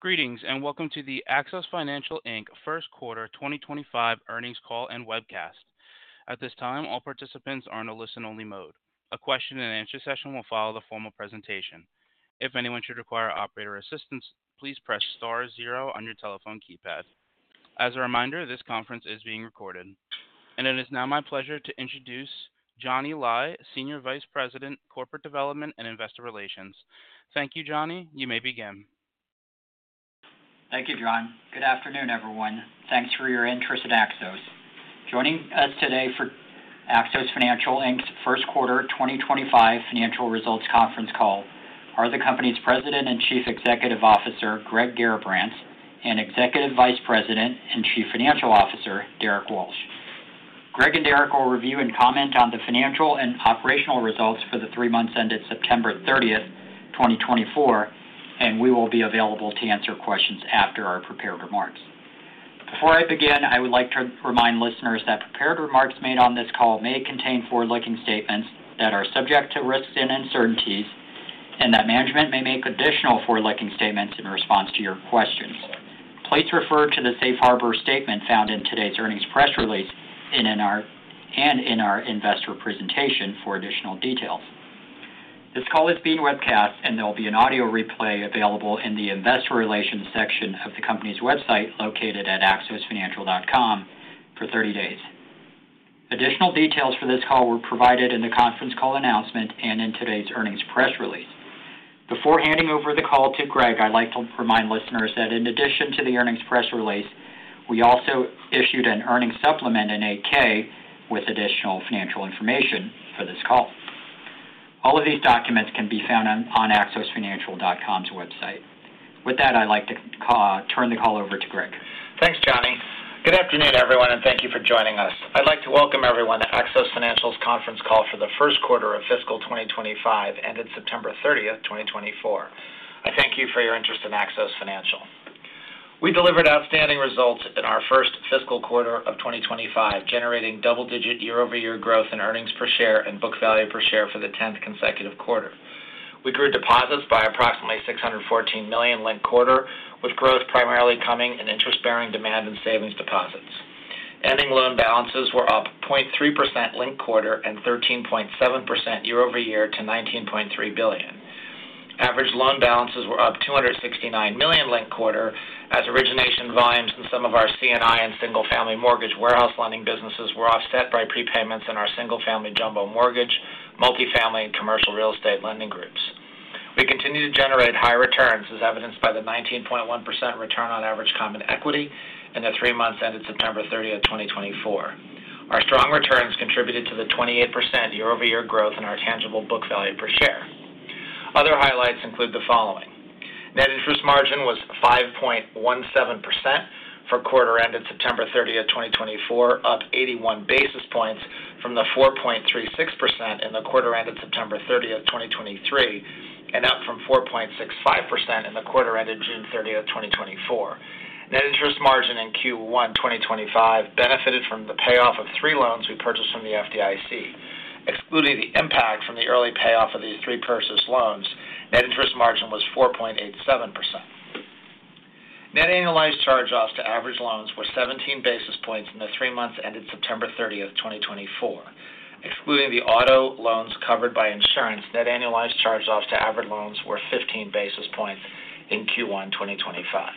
Greetings and welcome to the Axos Financial, Inc. First Quarter 2025 earnings call and webcast. At this time, all participants are in a listen-only mode. A question-and-answer session will follow the formal presentation. If anyone should require operator assistance, please press star zero on your telephone keypad. As a reminder, this conference is being recorded. And it is now my pleasure to introduce Johnny Lai, Senior Vice President, Corporate Development and Investor Relations. Thank you, Johnny. You may begin. Thank you, John. Good afternoon, everyone. Thanks for your interest in Axos. Joining us today for Axos Financial, Inc.'s First Quarter 2025 Financial Results conference call are the company's President and Chief Executive Officer, Greg Garrabrants, and Executive Vice President and Chief Financial Officer, Derrick Walsh. Greg and Derrick will review and comment on the financial and operational results for the three months ended September 30th, 2024, and we will be available to answer questions after our prepared remarks. Before I begin, I would like to remind listeners that prepared remarks made on this call may contain forward-looking statements that are subject to risks and uncertainties, and that management may make additional forward-looking statements in response to your questions. Please refer to the Safe Harbor Statement found in today's earnings press release and in our investor presentation for additional details. This call is being webcast, and there will be an audio replay available in the investor relations section of the company's website located at axosfinancial.com for 30 days. Additional details for this call were provided in the conference call announcement and in today's earnings press release. Before handing over the call to Greg, I'd like to remind listeners that in addition to the earnings press release, we also issued an earnings supplement, an 8-K, with additional financial information for this call. All of these documents can be found on axosfinancial.com's website. With that, I'd like to turn the call over to Greg. Thanks, Johnny. Good afternoon, everyone, and thank you for joining us. I'd like to welcome everyone to Axos Financial's conference call for the first quarter of fiscal 2025 ended September 30th, 2024. I thank you for your interest in Axos Financial. We delivered outstanding results in our first fiscal quarter of 2025, generating double-digit year-over-year growth in earnings per share and book value per share for the 10th consecutive quarter. We grew deposits by approximately $614 million linked quarter, with growth primarily coming in interest-bearing demand and savings deposits. Ending loan balances were up 0.3% linked quarter and 13.7% year-over-year to $19.3 billion. Average loan balances were up $269 million linked quarter, as origination volumes in some of our C&I and single-family mortgage warehouse lending businesses were offset by prepayments in our single-family jumbo mortgage, multifamily, and commercial real estate lending groups. We continue to generate high returns, as evidenced by the 19.1% return on average common equity in the three months ended September 30th, 2024. Our strong returns contributed to the 28% year-over-year growth in our tangible book value per share. Other highlights include the following. Net interest margin was 5.17% for the quarter ended September 30th, 2024, up 81 basis points from the 4.36% in the quarter ended September 30th, 2023, and up from 4.65% in the quarter ended June 30th, 2024. Net interest margin in Q1 2025 benefited from the payoff of three loans we purchased from the FDIC. Excluding the impact from the early payoff of these three purchased loans, net interest margin was 4.87%. Net annualized charge-offs to average loans were 17 basis points in the three months ended September 30th, 2024. Excluding the auto loans covered by insurance, net annualized charge-offs to average loans were 15 basis points in Q1 2025.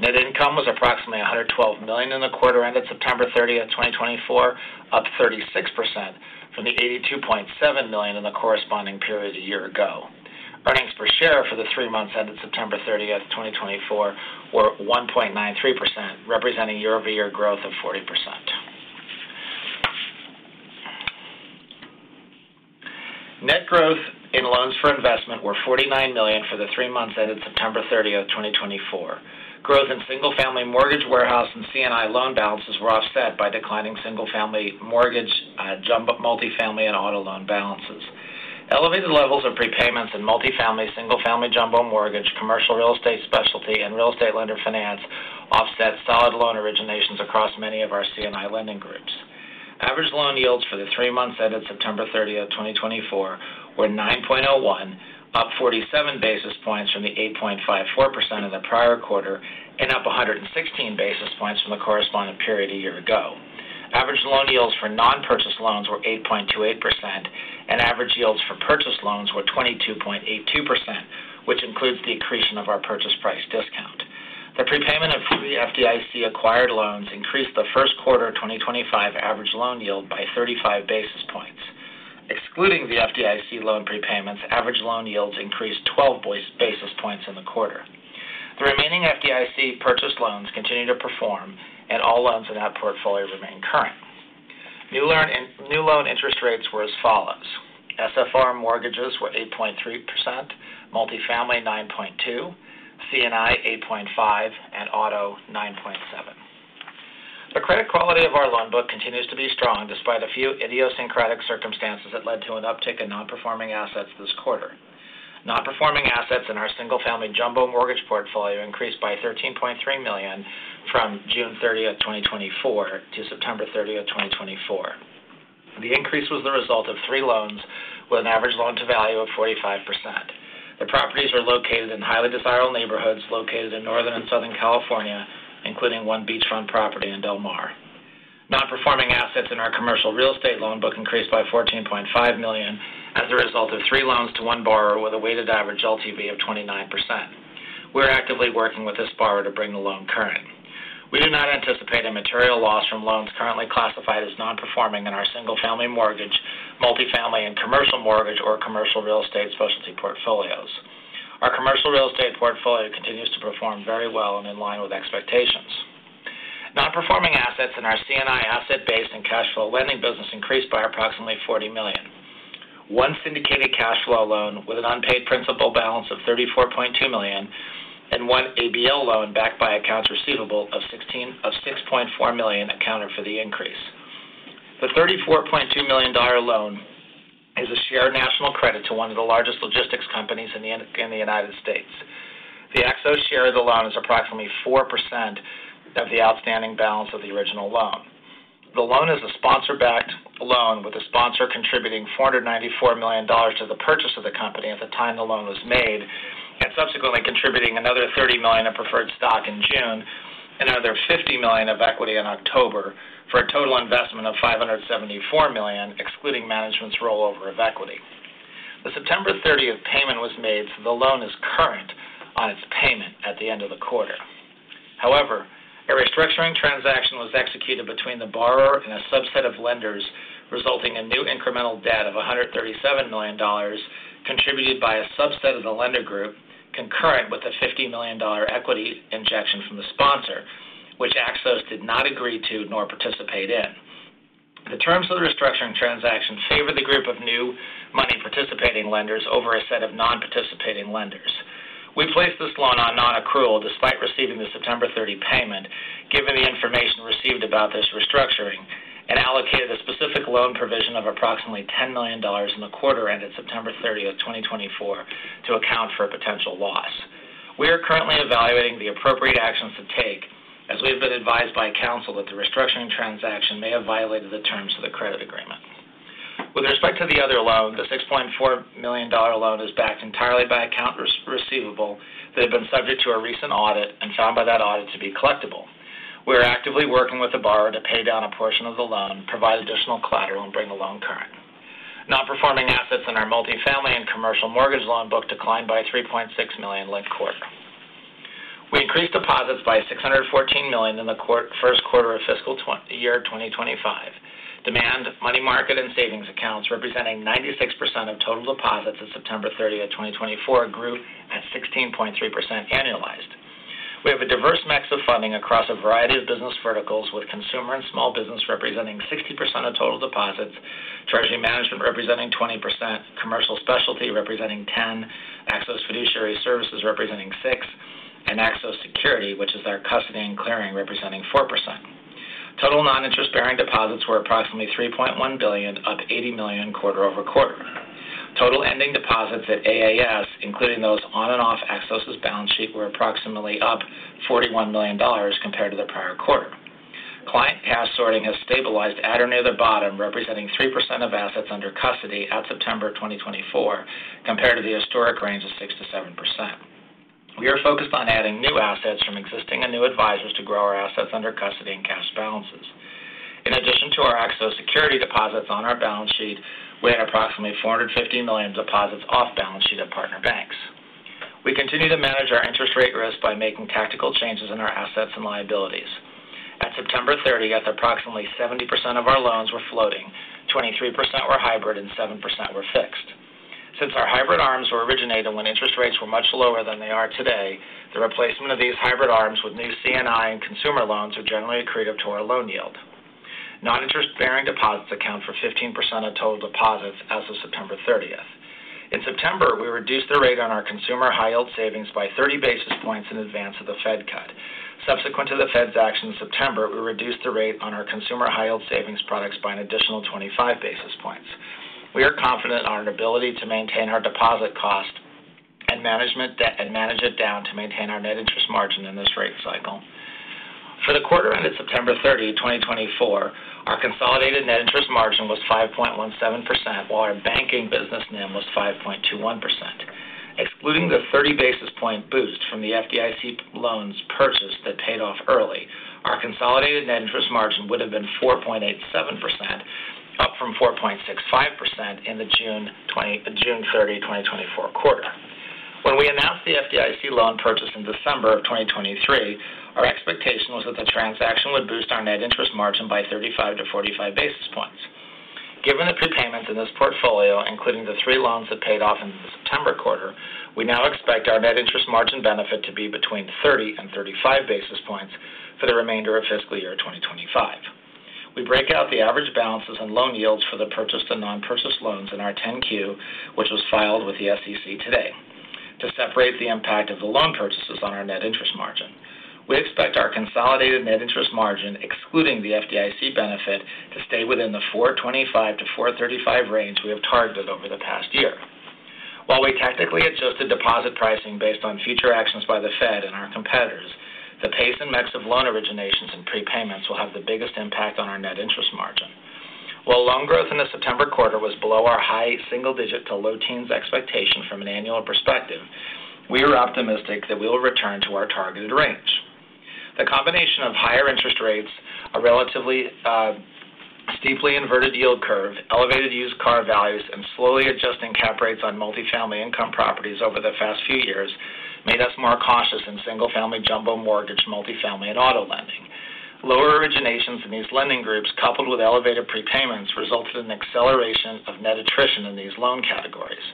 Net income was approximately $112 million in the quarter-ended September 30th, 2024, up 36% from the $82.7 million in the corresponding period a year ago. Earnings per share for the three months ended September 30th, 2024, were 1.93%, representing year-over-year growth of 40%. Net growth in loans for investment was $49 million for the three months ended September 30th, 2024. Growth in single-family mortgage warehouse and C&I loan balances were offset by declining single-family mortgage, jumbo multifamily, and auto loan balances. Elevated levels of prepayments in multifamily, single-family jumbo mortgage, commercial real estate specialty, and real estate lender finance offset solid loan originations across many of our C&I lending groups. Average loan yields for the three months ended September 30th, 2024, were 9.01%, up 47 basis points from the 8.54% in the prior quarter, and up 116 basis points from the corresponding period a year ago. Average loan yields for non-purchase loans were 8.28%, and average yields for purchase loans were 22.82%, which includes the accretion of our purchase price discount. The prepayment of the FDIC-acquired loans increased the first quarter of 2025 average loan yield by 35 basis points. Excluding the FDIC loan prepayments, average loan yields increased 12 basis points in the quarter. The remaining FDIC purchase loans continued to perform, and all loans in that portfolio remained current. New loan interest rates were as follows. SFR mortgages were 8.3%, multifamily 9.2%, C&I 8.5%, and auto 9.7%. The credit quality of our loan book continues to be strong despite a few idiosyncratic circumstances that led to an uptick in non-performing assets this quarter. Non-performing assets in our single-family jumbo mortgage portfolio increased by $13.3 million from June 30th, 2024, to September 30th, 2024. The increase was the result of three loans with an average loan-to-value of 45%. The properties were located in highly desirable neighborhoods located in Northern and Southern California, including one beachfront property in Del Mar. Non-performing assets in our commercial real estate loan book increased by $14.5 million as a result of three loans to one borrower with a weighted average LTV of 29%. We are actively working with this borrower to bring the loan current. We do not anticipate a material loss from loans currently classified as non-performing in our single-family mortgage, multifamily, and commercial mortgage or commercial real estate specialty portfolios. Our commercial real estate portfolio continues to perform very well and in line with expectations. Non-performing assets in our C&I asset-based and cash flow lending business increased by approximately $40 million. One syndicated cash flow loan with an unpaid principal balance of $34.2 million and one ABL loan backed by accounts receivable of $6.4 million accounted for the increase. The $34.2 million loan is a Shared National Credit to one of the largest logistics companies in the United States. The Axos share of the loan is approximately 4% of the outstanding balance of the original loan. The loan is a sponsor-backed loan with the sponsor contributing $494 million to the purchase of the company at the time the loan was made and subsequently contributing another $30 million of preferred stock in June and another $50 million of equity in October for a total investment of $574 million, excluding management's rollover of equity. The September 30th payment was made, so the loan is current on its payment at the end of the quarter. However, a restructuring transaction was executed between the borrower and a subset of lenders, resulting in new incremental debt of $137 million contributed by a subset of the lender group, concurrent with the $50 million equity injection from the sponsor, which Axos did not agree to nor participate in. The terms of the restructuring transaction favored the group of new money participating lenders over a set of non-participating lenders. We placed this loan on non-accrual despite receiving the September 30 payment, given the information received about this restructuring, and allocated a specific loan provision of approximately $10 million in the quarter-ended September 30th, 2024, to account for a potential loss. We are currently evaluating the appropriate actions to take, as we have been advised by counsel that the restructuring transaction may have violated the terms of the credit agreement. With respect to the other loan, the $6.4 million loan is backed entirely by accounts receivable that have been subject to a recent audit and found by that audit to be collectible. We are actively working with the borrower to pay down a portion of the loan, provide additional collateral, and bring the loan current. Non-performing assets in our multifamily and commercial mortgage loan book declined by $3.6 million linked quarter. We increased deposits by $614 million in the first quarter of fiscal year 2025. Demand, money market, and savings accounts representing 96% of total deposits at September 30th, 2024, grew at 16.3% annualized. We have a diverse mix of funding across a variety of business verticals, with consumer and small business representing 60% of total deposits, treasury management representing 20%, commercial specialty representing 10%, Axos Fiduciary Services representing 6%, and Axos Securities, which is our custody and clearing, representing 4%. Total non-interest-bearing deposits were approximately $3.1 billion, up $80 million quarter over quarter. Total ending deposits at AAS, including those on and off Axos's balance sheet, were approximately up $41 million compared to the prior quarter. Client cash sorting has stabilized at or near the bottom, representing 3% of assets under custody at September 2024, compared to the historic range of 6%-7%. We are focused on adding new assets from existing and new advisors to grow our assets under custody and cash balances. In addition to our Axos Securities deposits on our balance sheet, we had approximately $450 million deposits off balance sheet at partner banks. We continue to manage our interest rate risk by making tactical changes in our assets and liabilities. At September 30th, approximately 70% of our loans were floating, 23% were hybrid, and 7% were fixed. Since our hybrid ARMs were originated when interest rates were much lower than they are today, the replacement of these hybrid ARMs with new C&I and consumer loans would generally accrete up to our loan yield. Non-interest-bearing deposits account for 15% of total deposits as of September 30th. In September, we reduced the rate on our consumer high-yield savings by 30 basis points in advance of the Fed cut. Subsequent to the Fed's action in September, we reduced the rate on our consumer high-yield savings products by an additional 25 basis points. We are confident in our ability to maintain our deposit cost and manage it down to maintain our net interest margin in this rate cycle. For the quarter-ended September 30, 2024, our consolidated net interest margin was 5.17%, while our banking business NIM was 5.21%. Excluding the 30 basis point boost from the FDIC loans purchased that paid off early, our consolidated net interest margin would have been 4.87%, up from 4.65% in the June 30, 2024 quarter. When we announced the FDIC loan purchase in December of 2023, our expectation was that the transaction would boost our net interest margin by 35-45 basis points. Given the prepayments in this portfolio, including the three loans that paid off in the September quarter, we now expect our net interest margin benefit to be between 30 and 35 basis points for the remainder of fiscal year 2025. We break out the average balances and loan yields for the purchased and non-purchased loans in our 10-Q, which was filed with the SEC today, to separate the impact of the loan purchases on our net interest margin. We expect our consolidated net interest margin, excluding the FDIC benefit, to stay within the 425-435 range we have targeted over the past year. While we tactically adjusted deposit pricing based on future actions by the Fed and our competitors, the pace and mix of loan originations and prepayments will have the biggest impact on our net interest margin. While loan growth in the September quarter was below our high single-digit to low teens expectation from an annual perspective, we are optimistic that we will return to our targeted range. The combination of higher interest rates, a relatively steeply inverted yield curve, elevated used car values, and slowly adjusting cap rates on multifamily income properties over the past few years made us more cautious in single-family jumbo mortgage, multifamily, and auto lending. Lower originations in these lending groups, coupled with elevated prepayments, resulted in an acceleration of net attrition in these loan categories.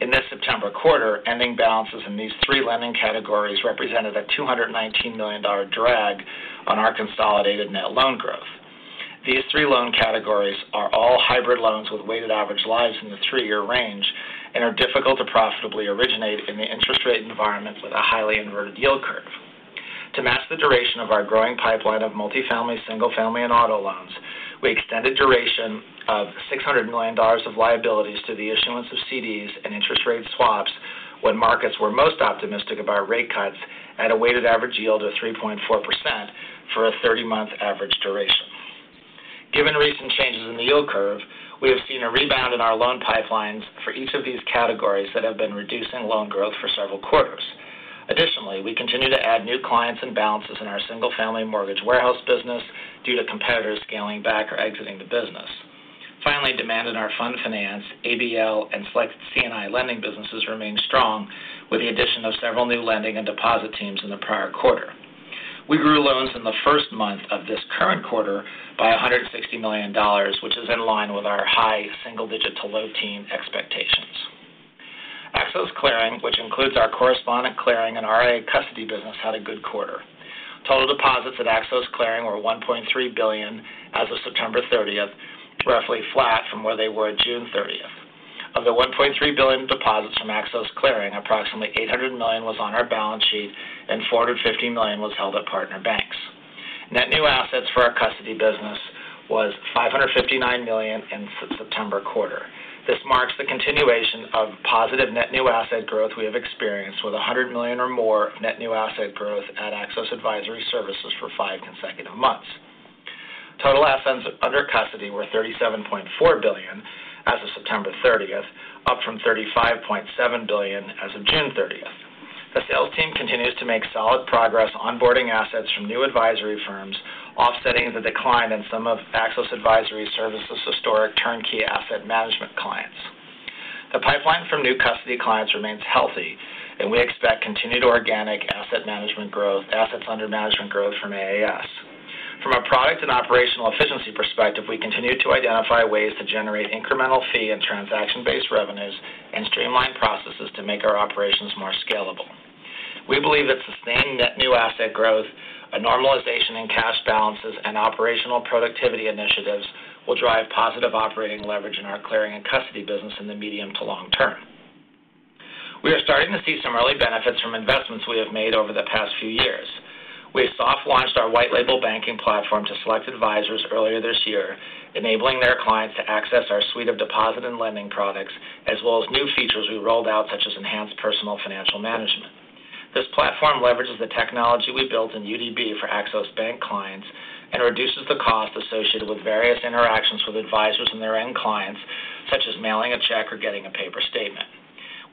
In this September quarter, ending balances in these three lending categories represented a $219 million drag on our consolidated net loan growth. These three loan categories are all hybrid loans with weighted average lives in the three-year range and are difficult to profitably originate in the interest rate environment with a highly inverted yield curve. To match the duration of our growing pipeline of multifamily, single-family, and auto loans, we extended duration of $600 million of liabilities to the issuance of CDs and interest rate swaps when markets were most optimistic about rate cuts at a weighted average yield of 3.4% for a 30-month average duration. Given recent changes in the yield curve, we have seen a rebound in our loan pipelines for each of these categories that have been reducing loan growth for several quarters. Additionally, we continue to add new clients and balances in our single-family mortgage warehouse business due to competitors scaling back or exiting the business. Finally, demand in our fund finance, ABL, and selected C&I lending businesses remained strong with the addition of several new lending and deposit teams in the prior quarter. We grew loans in the first month of this current quarter by $160 million, which is in line with our high single-digit to low teen expectations. Axos Clearing, which includes our correspondent clearing and RIA custody business, had a good quarter. Total deposits at Axos Clearing were $1.3 billion as of September 30th, roughly flat from where they were at June 30th. Of the $1.3 billion deposits from Axos Clearing, approximately $800 million was on our balance sheet and $450 million was held at partner banks. Net new assets for our custody business was $559 million in September quarter. This marks the continuation of positive net new asset growth we have experienced with $100 million or more net new asset growth at Axos Advisory Services for five consecutive months. Total assets under custody were $37.4 billion as of September 30th, up from $35.7 billion as of June 30th. The sales team continues to make solid progress onboarding assets from new advisory firms, offsetting the decline in some of Axos Advisory Services' historic turnkey asset management clients. The pipeline from new custody clients remains healthy, and we expect continued organic asset management growth, assets under management growth from AAS. From a product and operational efficiency perspective, we continue to identify ways to generate incremental fee and transaction-based revenues and streamline processes to make our operations more scalable. We believe that sustained net new asset growth, a normalization in cash balances, and operational productivity initiatives will drive positive operating leverage in our clearing and custody business in the medium to long term. We are starting to see some early benefits from investments we have made over the past few years. We soft-launched our white-label banking platform to select advisors earlier this year, enabling their clients to access our suite of deposit and lending products, as well as new features we rolled out, such as enhanced personal financial management. This platform leverages the technology we built in UDB for Axos Bank clients and reduces the cost associated with various interactions with advisors and their end clients, such as mailing a check or getting a paper statement.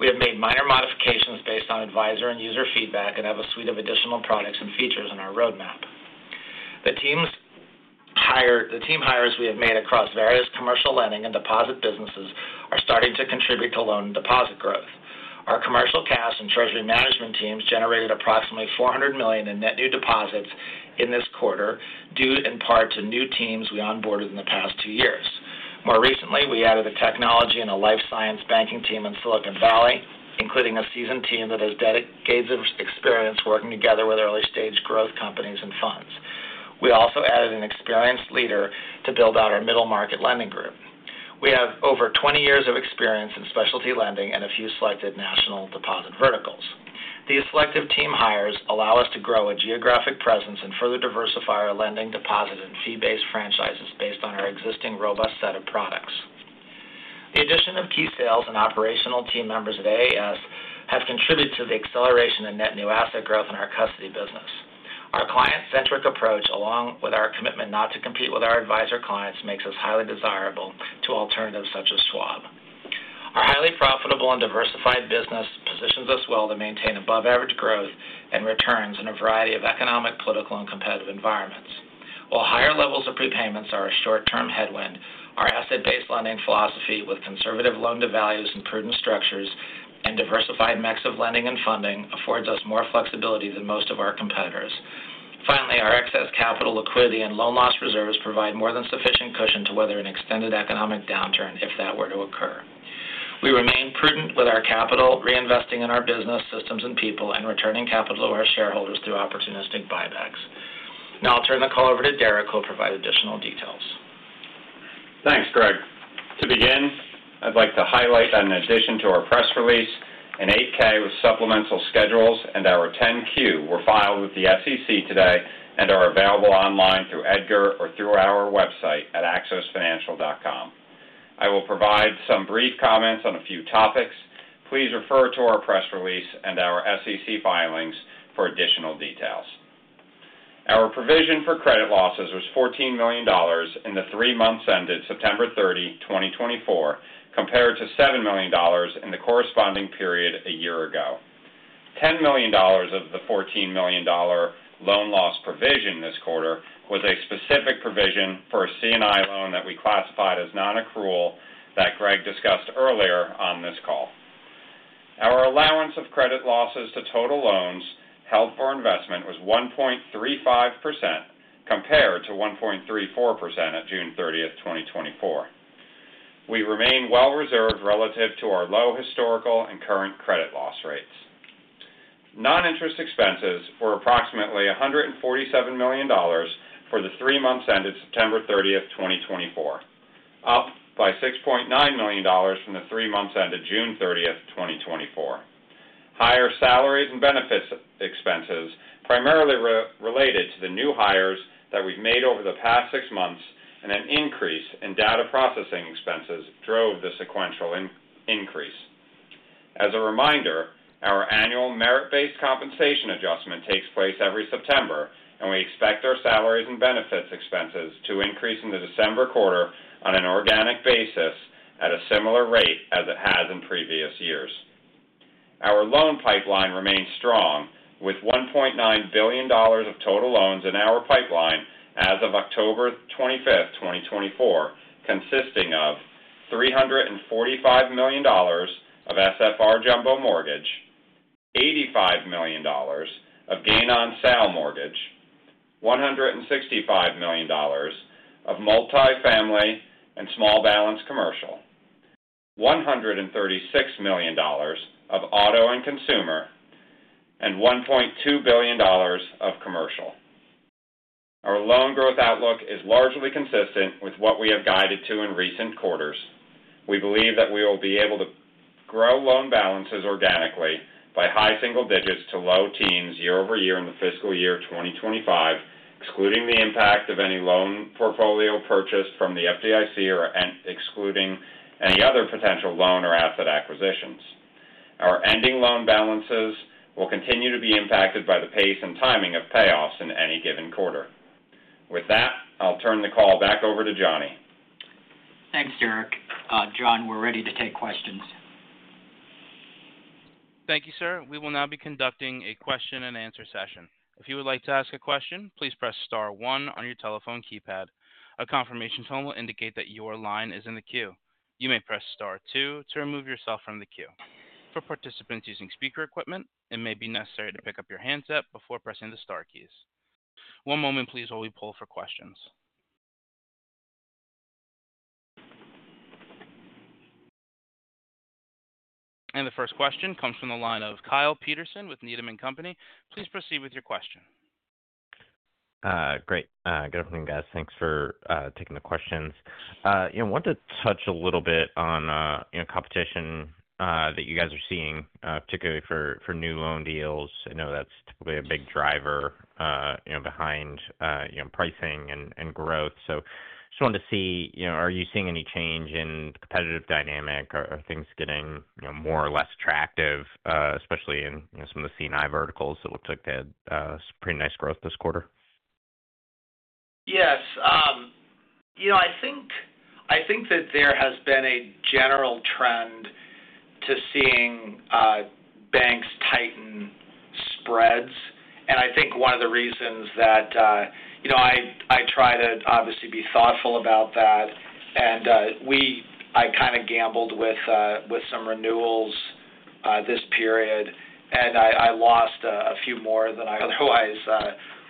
We have made minor modifications based on advisor and user feedback and have a suite of additional products and features in our roadmap. The team hires we have made across various commercial lending and deposit businesses are starting to contribute to loan and deposit growth. Our commercial cash and treasury management teams generated approximately $400 million in net new deposits in this quarter, due in part to new teams we onboarded in the past two years. More recently, we added a technology and a life science banking team in Silicon Valley, including a seasoned team that has decades of experience working together with early-stage growth companies and funds. We also added an experienced leader to build out our middle market lending group. We have over 20 years of experience in specialty lending and a few selected national deposit verticals. These selective team hires allow us to grow a geographic presence and further diversify our lending, deposit, and fee-based franchises based on our existing robust set of products. The addition of key sales and operational team members at AAS has contributed to the acceleration in net new asset growth in our custody business. Our client-centric approach, along with our commitment not to compete with our advisor clients, makes us highly desirable to alternatives such as Schwab. Our highly profitable and diversified business positions us well to maintain above-average growth and returns in a variety of economic, political, and competitive environments. While higher levels of prepayments are a short-term headwind, our asset-based lending philosophy with conservative loan-to-values and prudent structures and diversified mix of lending and funding affords us more flexibility than most of our competitors. Finally, our excess capital liquidity and loan loss reserves provide more than sufficient cushion to weather an extended economic downturn if that were to occur. We remain prudent with our capital, reinvesting in our business, systems, and people, and returning capital to our shareholders through opportunistic buybacks. Now I'll turn the call over to Derrick, who will provide additional details. Thanks, Greg. To begin, I'd like to highlight that in addition to our press release, an 8-K with supplemental schedules and our 10-Q were filed with the SEC today and are available online through EDGAR or through our website at axosfinancial.com. I will provide some brief comments on a few topics. Please refer to our press release and our SEC filings for additional details. Our provision for credit losses was $14 million in the three months ended September 30, 2024, compared to $7 million in the corresponding period a year ago. $10 million of the $14 million loan loss provision this quarter was a specific provision for a C&I loan that we classified as non-accrual that Greg discussed earlier on this call. Our allowance for credit losses to total loans held for investment was 1.35% compared to 1.34% at June 30, 2024. We remain well reserved relative to our low historical and current credit loss rates. Non-interest expenses were approximately $147 million for the three months ended September 30, 2024, up by $6.9 million from the three months ended June 30, 2024. Higher salaries and benefits expenses, primarily related to the new hires that we've made over the past six months and an increase in data processing expenses, drove the sequential increase. As a reminder, our annual merit-based compensation adjustment takes place every September, and we expect our salaries and benefits expenses to increase in the December quarter on an organic basis at a similar rate as it has in previous years. Our loan pipeline remains strong with $1.9 billion of total loans in our pipeline as of October 25, 2024, consisting of $345 million of SFR Jumbo Mortgage, $85 million of Gain-on-Sale Mortgage, $165 million of Multifamily and Small Balance Commercial, $136 million of Auto and Consumer, and $1.2 billion of Commercial. Our loan growth outlook is largely consistent with what we have guided to in recent quarters. We believe that we will be able to grow loan balances organically by high single digits to low teens year over year in the fiscal year 2025, excluding the impact of any loan portfolio purchased from the FDIC or excluding any other potential loan or asset acquisitions. Our ending loan balances will continue to be impacted by the pace and timing of payoffs in any given quarter. With that, I'll turn the call back over to Johnny. Thanks, Derrick. John, we're ready to take questions. Thank you, sir. We will now be conducting a question-and-answer session. If you would like to ask a question, please press star one on your telephone keypad. A confirmation tone will indicate that your line is in the queue. You may press star two to remove yourself from the queue. For participants using speaker equipment, it may be necessary to pick up your handset before pressing the star keys. One moment, please, while we pull for questions. And the first question comes from the line of Kyle Peterson with Needham & Company. Please proceed with your question. Great. Good afternoon, guys. Thanks for taking the questions. I want to touch a little bit on competition that you guys are seeing, particularly for new loan deals. I know that's typically a big driver behind pricing and growth. So I just wanted to see, are you seeing any change in competitive dynamic? Are things getting more or less attractive, especially in some of the C&I verticals that looked like they had some pretty nice growth this quarter? Yes. I think that there has been a general trend to seeing banks tighten spreads. And I think one of the reasons that I try to obviously be thoughtful about that. And I kind of gambled with some renewals this period, and I lost a few more than I otherwise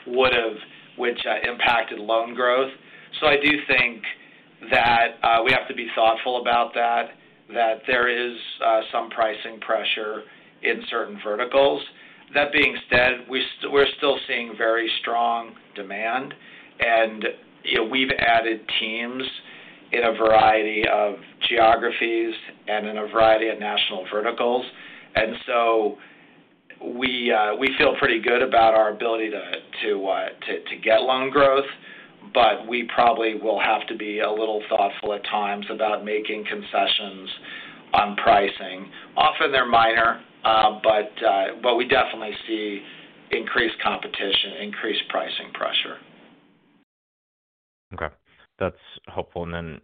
would have, which impacted loan growth. So I do think that we have to be thoughtful about that, that there is some pricing pressure in certain verticals. That being said, we're still seeing very strong demand, and we've added teams in a variety of geographies and in a variety of national verticals. And so we feel pretty good about our ability to get loan growth, but we probably will have to be a little thoughtful at times about making concessions on pricing. Often, they're minor, but we definitely see increased competition, increased pricing pressure. Okay. That's helpful, and then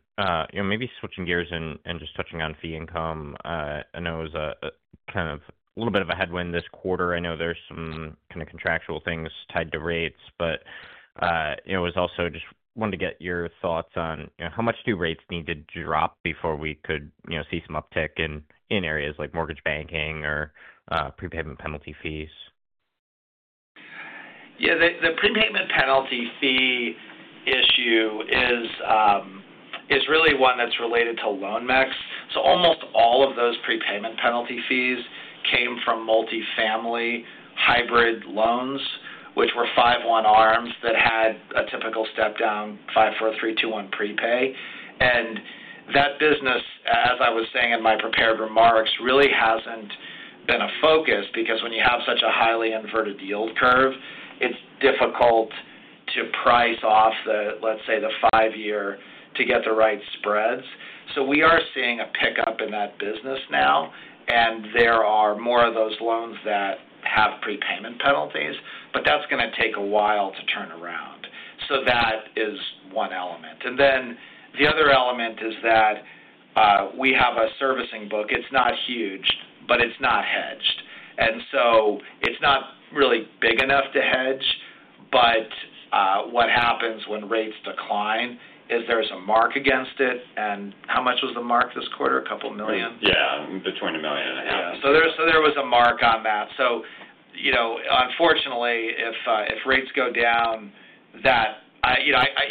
maybe switching gears and just touching on fee income. I know it was kind of a little bit of a headwind this quarter. I know there's some kind of contractual things tied to rates, but I was also just wanting to get your thoughts on how much do rates need to drop before we could see some uptick in areas like mortgage banking or prepayment penalty fees? Yeah. The prepayment penalty fee issue is really one that's related to loan mix. So almost all of those prepayment penalty fees came from multifamily hybrid loans, which were 5-1 ARMs that had a typical step-down 5-4-3-2-1 prepay. And that business, as I was saying in my prepared remarks, really hasn't been a focus because when you have such a highly inverted yield curve, it's difficult to price off, let's say, the five-year to get the right spreads. So we are seeing a pickup in that business now, and there are more of those loans that have prepayment penalties, but that's going to take a while to turn around. So that is one element. And then the other element is that we have a servicing book. It's not huge, but it's not hedged. And so it's not really big enough to hedge, but what happens when rates decline is there's a mark against it. And how much was the mark this quarter? A couple of million? Yeah. Between a million and a half. So there was a mark on that. So unfortunately, if rates go down,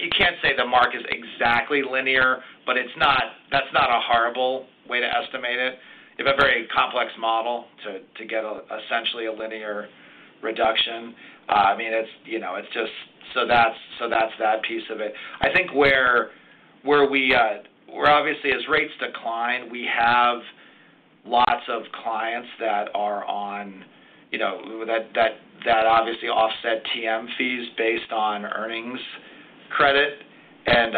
you can't say the mark is exactly linear, but that's not a horrible way to estimate it. You have a very complex model to get essentially a linear reduction. I mean, it's just so that's that piece of it. I think where we obviously, as rates decline, we have lots of clients that are on that obviously offset TM fees based on earnings credit. And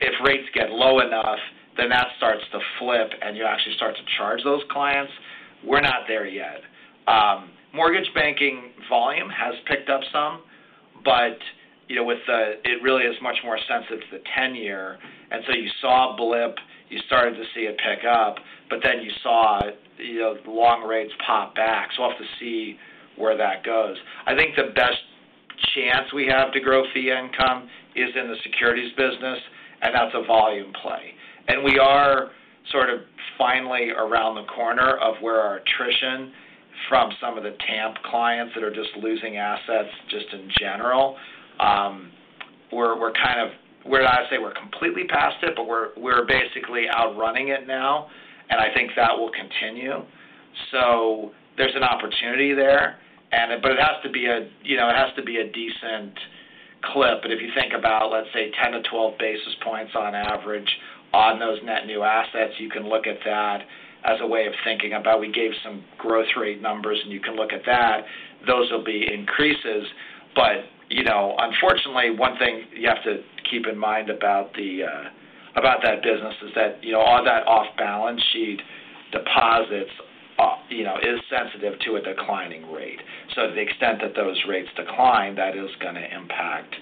if rates get low enough, then that starts to flip, and you actually start to charge those clients. We're not there yet. Mortgage banking volume has picked up some, but it really is much more sensitive to the 10-year. And so you saw a blip, you started to see it pick up, but then you saw long rates pop back. We'll have to see where that goes. I think the best chance we have to grow fee income is in the securities business, and that's a volume play. And we are sort of finally around the corner of where our attrition from some of the TAMP clients that are just losing assets just in general. We're kind of, I'd say we're completely past it, but we're basically outrunning it now, and I think that will continue. So there's an opportunity there, but it has to be a decent clip. But if you think about, let's say, 10-12 basis points on average on those net new assets, you can look at that as a way of thinking about we gave some growth rate numbers, and you can look at that. Those will be increases. But unfortunately, one thing you have to keep in mind about that business is that all that off-balance sheet deposits is sensitive to a declining rate. So to the extent that those rates decline, that is going to impact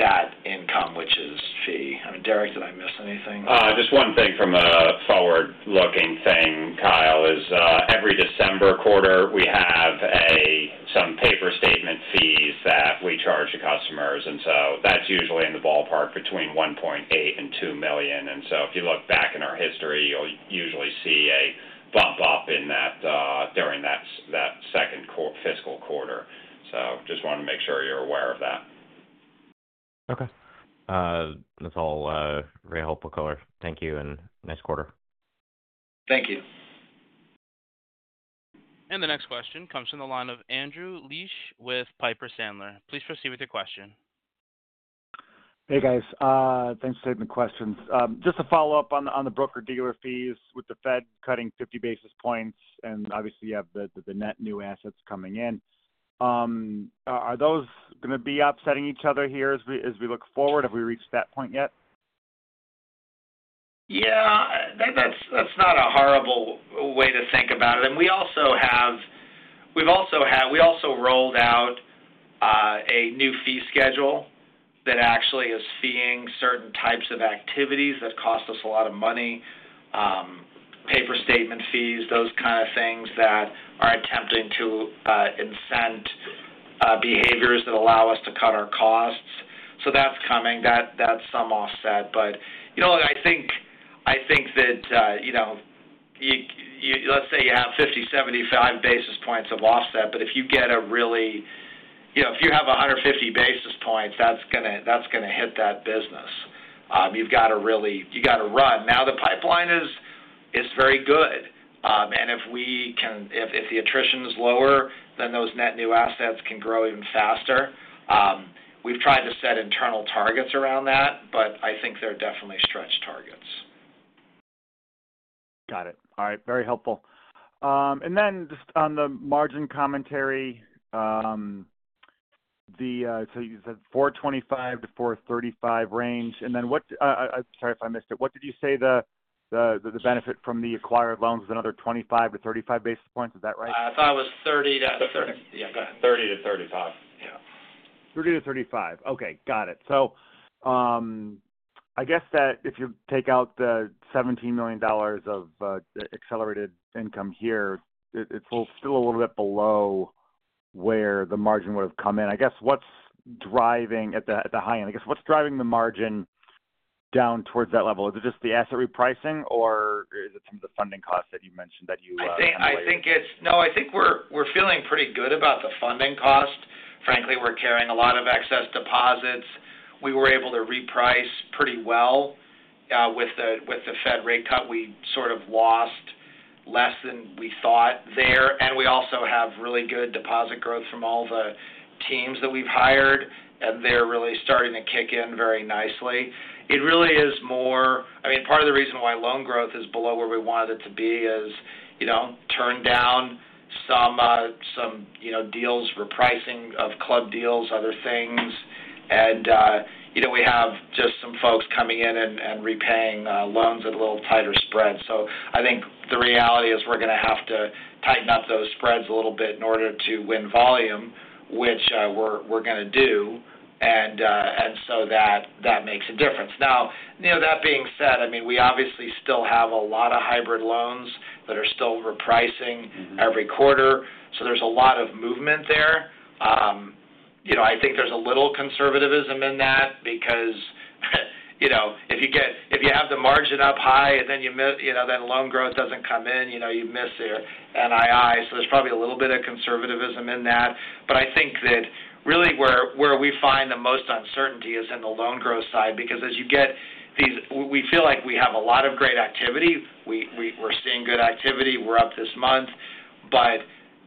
that income, which is fee. I mean, Derrick, did I miss anything? Just one thing from a forward-looking thing, Kyle, is every December quarter, we have some paper statement fees that we charge the customers. And so that's usually in the ballpark between $1.8 million and $2 million. And so if you look back in our history, you'll usually see a bump up during that second fiscal quarter. So just wanted to make sure you're aware of that. Okay. That's all very helpful color. Thank you, and nice quarter. Thank you. And the next question comes from the line of Andrew Liesch with Piper Sandler. Please proceed with your question. Hey, guys. Thanks for taking the questions. Just to follow up on the broker-dealer fees with the Fed cutting 50 basis points, and obviously, you have the net new assets coming in. Are those going to be upsetting each other here as we look forward? Have we reached that point yet? Yeah. That's not a horrible way to think about it. And we've also rolled out a new fee schedule that actually is feeing certain types of activities that cost us a lot of money, paper statement fees, those kind of things that are attempting to incent behaviors that allow us to cut our costs. So that's coming. That's some offset. But I think that let's say you have 50-75 basis points of offset, but if you have 150 basis points, that's going to hit that business. You've got to really run. Now the pipeline is very good, and if the attrition is lower, then those net new assets can grow even faster. We've tried to set internal targets around that, but I think they're definitely stretch targets. Got it. All right. Very helpful, and then just on the margin commentary, so you said 425-435 range. And then what? I'm sorry if I missed it. What did you say the benefit from the acquired loans was, another 25-35 basis points? Is that right? I thought it was 30-30. Yeah. Go ahead. 30-35. Yeah. 30-35. Okay. Got it. So I guess that if you take out the $17 million of accelerated income here, it's still a little bit below where the margin would have come in. I guess what's driving at the high end? I guess what's driving the margin down towards that level? Is it just the asset repricing, or is it some of the funding costs that you mentioned that you? I think it's no, I think we're feeling pretty good about the funding cost. Frankly, we're carrying a lot of excess deposits. We were able to reprice pretty well. With the Fed rate cut, we sort of lost less than we thought there, and we also have really good deposit growth from all the teams that we've hired, and they're really starting to kick in very nicely. It really is more. I mean, part of the reason why loan growth is below where we wanted it to be is turned down some deals, repricing of club deals, other things, and we have just some folks coming in and repaying loans at a little tighter spread. So I think the reality is we're going to have to tighten up those spreads a little bit in order to win volume, which we're going to do. And so that makes a difference. Now, that being said, I mean, we obviously still have a lot of hybrid loans that are still repricing every quarter. So there's a lot of movement there. I think there's a little conservatism in that because if you have the margin up high and then loan growth doesn't come in, you miss their NII. So there's probably a little bit of conservatism in that. But I think that really where we find the most uncertainty is in the loan growth side because as you get these we feel like we have a lot of great activity. We're seeing good activity. We're up this month. But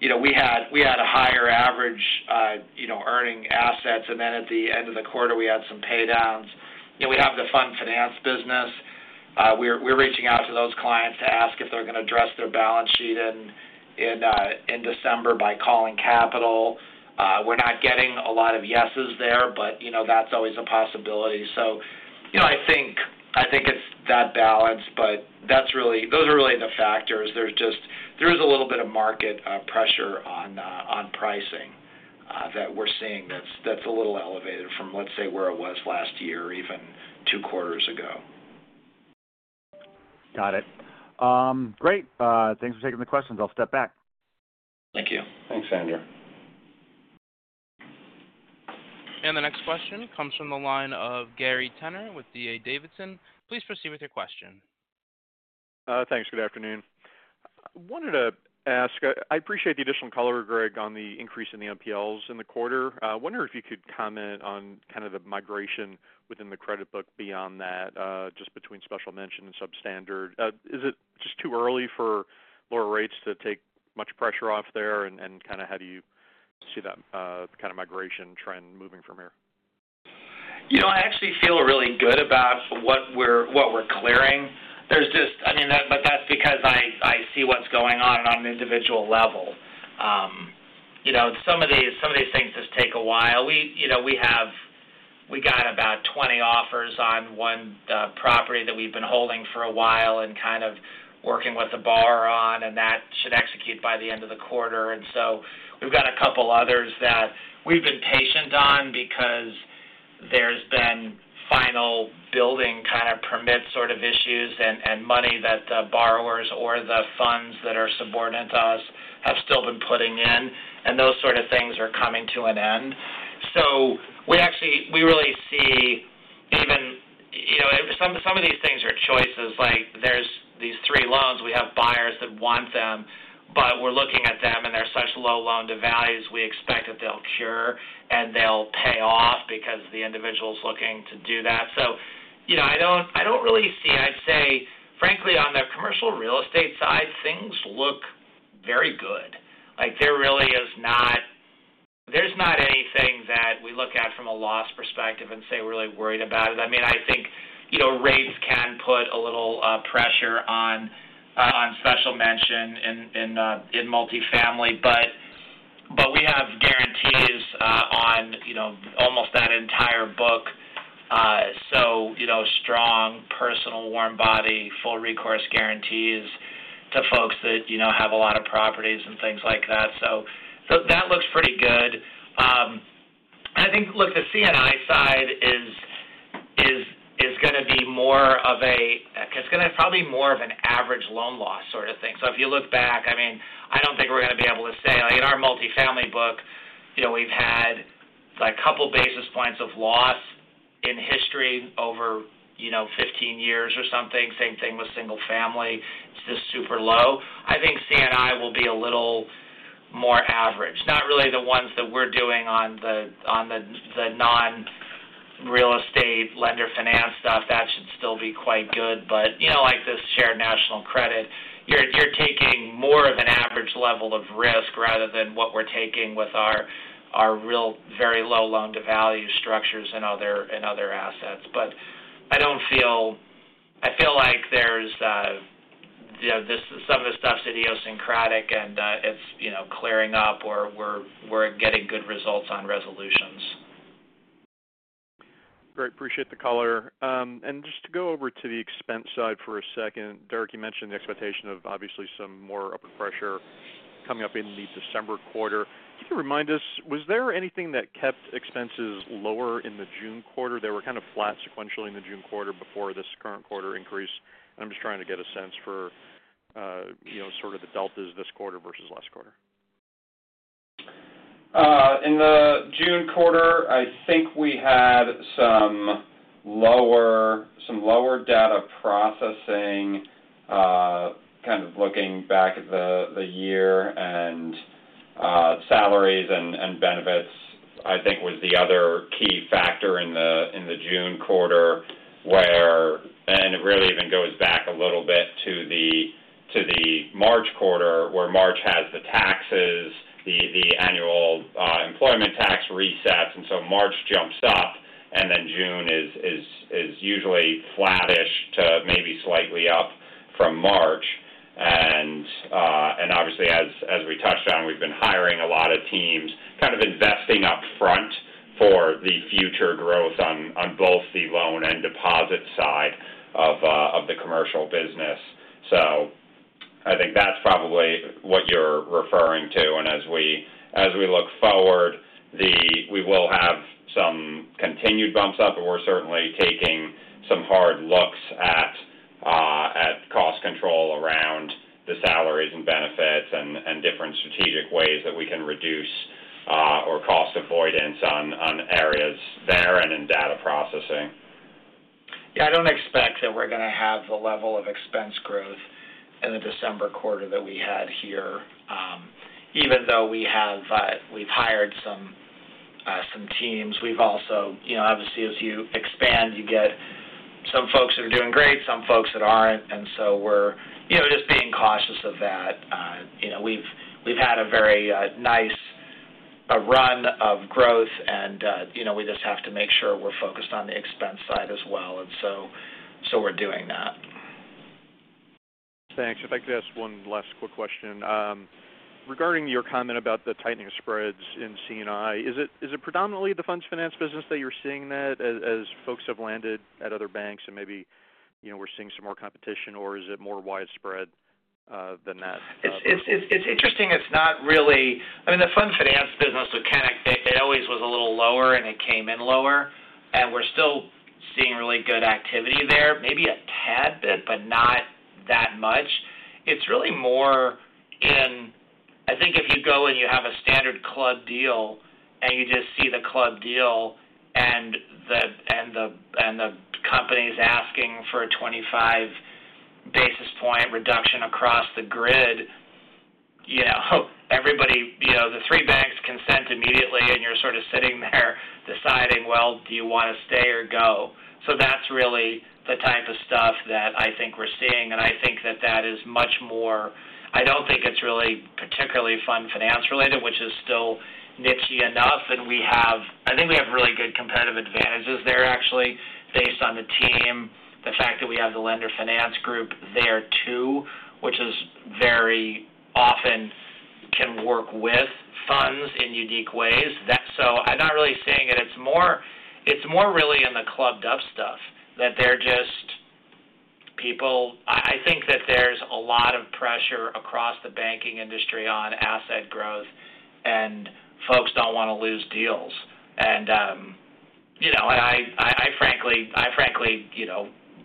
we had a higher average earning assets, and then at the end of the quarter, we had some paydowns. We have the fund finance business. We're reaching out to those clients to ask if they're going to address their balance sheet in December by calling capital. We're not getting a lot of yeses there, but that's always a possibility. So I think it's that balance, but those are really the factors. There is a little bit of market pressure on pricing that we're seeing that's a little elevated from, let's say, where it was last year or even two quarters ago. Got it. Great. Thanks for taking the questions. I'll step back. Thank you. Thanks, Andrew. And the next question comes from the line of Gary Tenner with D.A. Davidson. Please proceed with your question. Thanks. Good afternoon. I wanted to ask. I appreciate the additional color, Greg, on the increase in the NPLs in the quarter. I wonder if you could comment on kind of the migration within the credit book beyond that, just between special mention and substandard. Is it just too early for lower rates to take much pressure off there? And kind of how do you see that kind of migration trend moving from here? I actually feel really good about what we're clearing. I mean, but that's because I see what's going on on an individual level. Some of these things just take a while. We got about 20 offers on one property that we've been holding for a while and kind of working with the borrower on, and that should execute by the end of the quarter. And so we've got a couple others that we've been patient on because there's been final building kind of permit sort of issues and money that the borrowers or the funds that are subordinate to us have still been putting in. And those sort of things are coming to an end. So we really see even some of these things are choices. There's these three loans. We have buyers that want them, but we're looking at them, and they're such low loan-to-values, we expect that they'll cure and they'll pay off because the individual's looking to do that. So I don't really see, I'd say, frankly, on the commercial real estate side, things look very good. There really is not anything that we look at from a loss perspective and say we're really worried about it. I mean, I think rates can put a little pressure on special mention in multifamily, but we have guarantees on almost that entire book. So strong, personal, warm body, full recourse guarantees to folks that have a lot of properties and things like that. So that looks pretty good. I think, look, the C&I side is going to be more of a it's going to probably be more of an average loan loss sort of thing. So if you look back, I mean, I don't think we're going to be able to say in our multifamily book, we've had a couple basis points of loss in history over 15 years or something. Same thing with single-family. It's just super low. I think C&I will be a little more average. Not really the ones that we're doing on the non-real estate lender finance stuff. That should still be quite good. But like this Shared National Credit, you're taking more of an average level of risk rather than what we're taking with our real very low loan-to-value structures and other assets. But I feel like there's some of the stuff's idiosyncratic, and it's clearing up, or we're getting good results on resolutions. Great. Appreciate the color. And just to go over to the expense side for a second, Derrick, you mentioned the expectation of obviously some more upward pressure coming up in the December quarter. Can you remind us, was there anything that kept expenses lower in the June quarter? They were kind of flat sequentially in the June quarter before this current quarter increase. And I'm just trying to get a sense for sort of the deltas this quarter versus last quarter. In the June quarter, I think we had some lower data processing, kind of looking back at the year and salaries and benefits, I think was the other key factor in the June quarter where. And it really even goes back a little bit to the March quarter where March has the taxes, the annual employment tax resets. And so March jumps up, and then June is usually flattish to maybe slightly up from March. And obviously, as we touched on, we've been hiring a lot of teams, kind of investing upfront for the future growth on both the loan and deposit side of the commercial business. So I think that's probably what you're referring to. And as we look forward, we will have some continued bumps up, but we're certainly taking some hard looks at cost control around the salaries and benefits and different strategic ways that we can reduce or cost avoidance on areas there and in data processing. Yeah. I don't expect that we're going to have the level of expense growth in the December quarter that we had here. Even though we've hired some teams, we've also obviously, as you expand, you get some folks that are doing great, some folks that aren't. And so we're just being cautious of that. We've had a very nice run of growth, and we just have to make sure we're focused on the expense side as well. And so we're doing that. Thanks. I'd like to ask one last quick question. Regarding your comment about the tightening of spreads in C&I, is it predominantly the fund finance business that you're seeing that as folks have landed at other banks and maybe we're seeing some more competition, or is it more widespread than that? It's interesting. It's not really. I mean, the fund finance business, it always was a little lower, and it came in lower. And we're still seeing really good activity there, maybe a tad bit, but not that much. It's really more in. I think if you go and you have a standard club deal and you just see the club deal and the company's asking for a 25 basis point reduction across the grid, everybody, the three banks consent immediately, and you're sort of sitting there deciding, "Well, do you want to stay or go?" So that's really the type of stuff that I think we're seeing. And I think that that is much more. I don't think it's really particularly fund finance related, which is still niche-y enough. And I think we have really good competitive advantages there, actually, based on the team, the fact that we have the lender finance group there too, which is very often can work with funds in unique ways. So I'm not really seeing it. It's more really in the club deal stuff that they're just people. I think that there's a lot of pressure across the banking industry on asset growth, and folks don't want to lose deals. And I, frankly,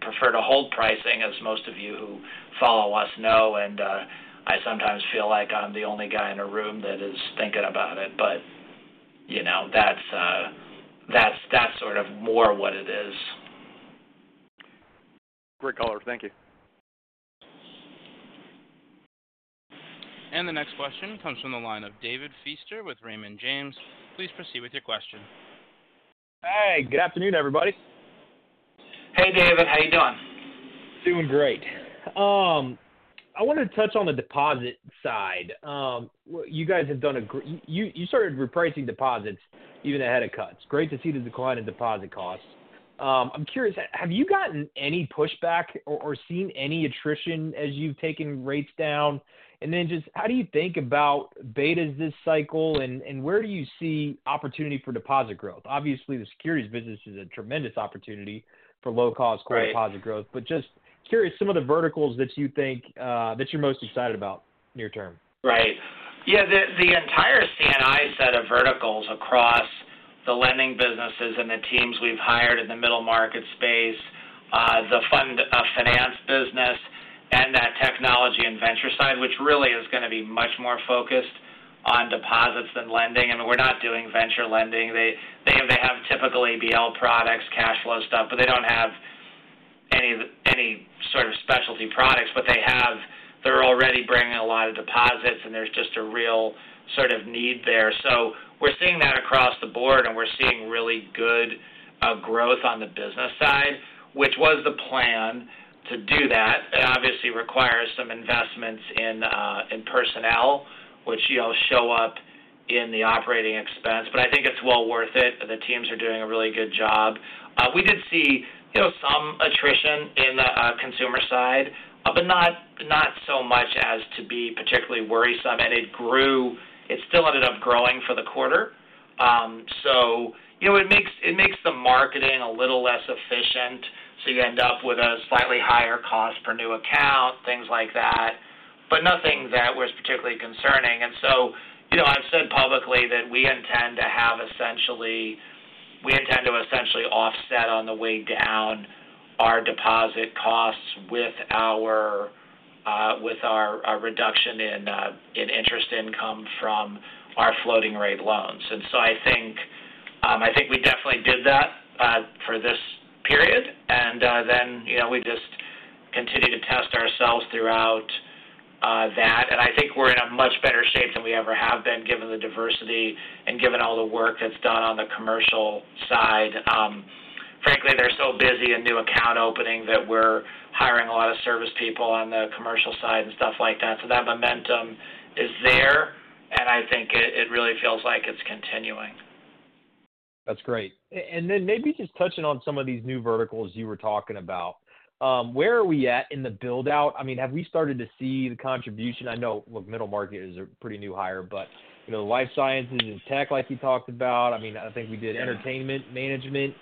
prefer to hold pricing, as most of you who follow us know. And I sometimes feel like I'm the only guy in a room that is thinking about it. But that's sort of more what it is. Great color. Thank you. The next question comes from the line of David Feaster with Raymond James. Please proceed with your question. Hi. Good afternoon, everybody. Hey, David. How you doing? Doing great. I wanted to touch on the deposit side. You guys have done. You started repricing deposits even ahead of cuts. Great to see the decline in deposit costs. I'm curious, have you gotten any pushback or seen any attrition as you've taken rates down? And then just how do you think about betas this cycle, and where do you see opportunity for deposit growth? Obviously, the securities business is a tremendous opportunity for low-cost core deposit growth, but just curious some of the verticals that you think that you're most excited about near term. Right. Yeah. The entire C&I set of verticals across the lending businesses and the teams we've hired in the middle market space, the fund finance business, and that technology and venture side, which really is going to be much more focused on deposits than lending. I mean, we're not doing venture lending. They have typical ABL products, cash flow stuff, but they don't have any sort of specialty products. But they're already bringing a lot of deposits, and there's just a real sort of need there. So we're seeing that across the board, and we're seeing really good growth on the business side, which was the plan to do that. It obviously requires some investments in personnel, which show up in the operating expense. But I think it's well worth it. The teams are doing a really good job. We did see some attrition in the consumer side, but not so much as to be particularly worrisome, and it still ended up growing for the quarter, so it makes the marketing a little less efficient, so you end up with a slightly higher cost per new account, things like that, but nothing that was particularly concerning, and so I've said publicly that we intend to essentially offset on the way down our deposit costs with our reduction in interest income from our floating-rate loans, and so I think we definitely did that for this period, and then we just continue to test ourselves throughout that, and I think we're in a much better shape than we ever have been, given the diversity and given all the work that's done on the commercial side. Frankly, they're so busy in new account opening that we're hiring a lot of service people on the commercial side and stuff like that. So that momentum is there, and I think it really feels like it's continuing. That's great. And then maybe just touching on some of these new verticals you were talking about. Where are we at in the build-out? I mean, have we started to see the contribution? I know, look, middle market is a pretty new hire, but the life sciences and tech like you talked about. I mean, I think we did entertainment management,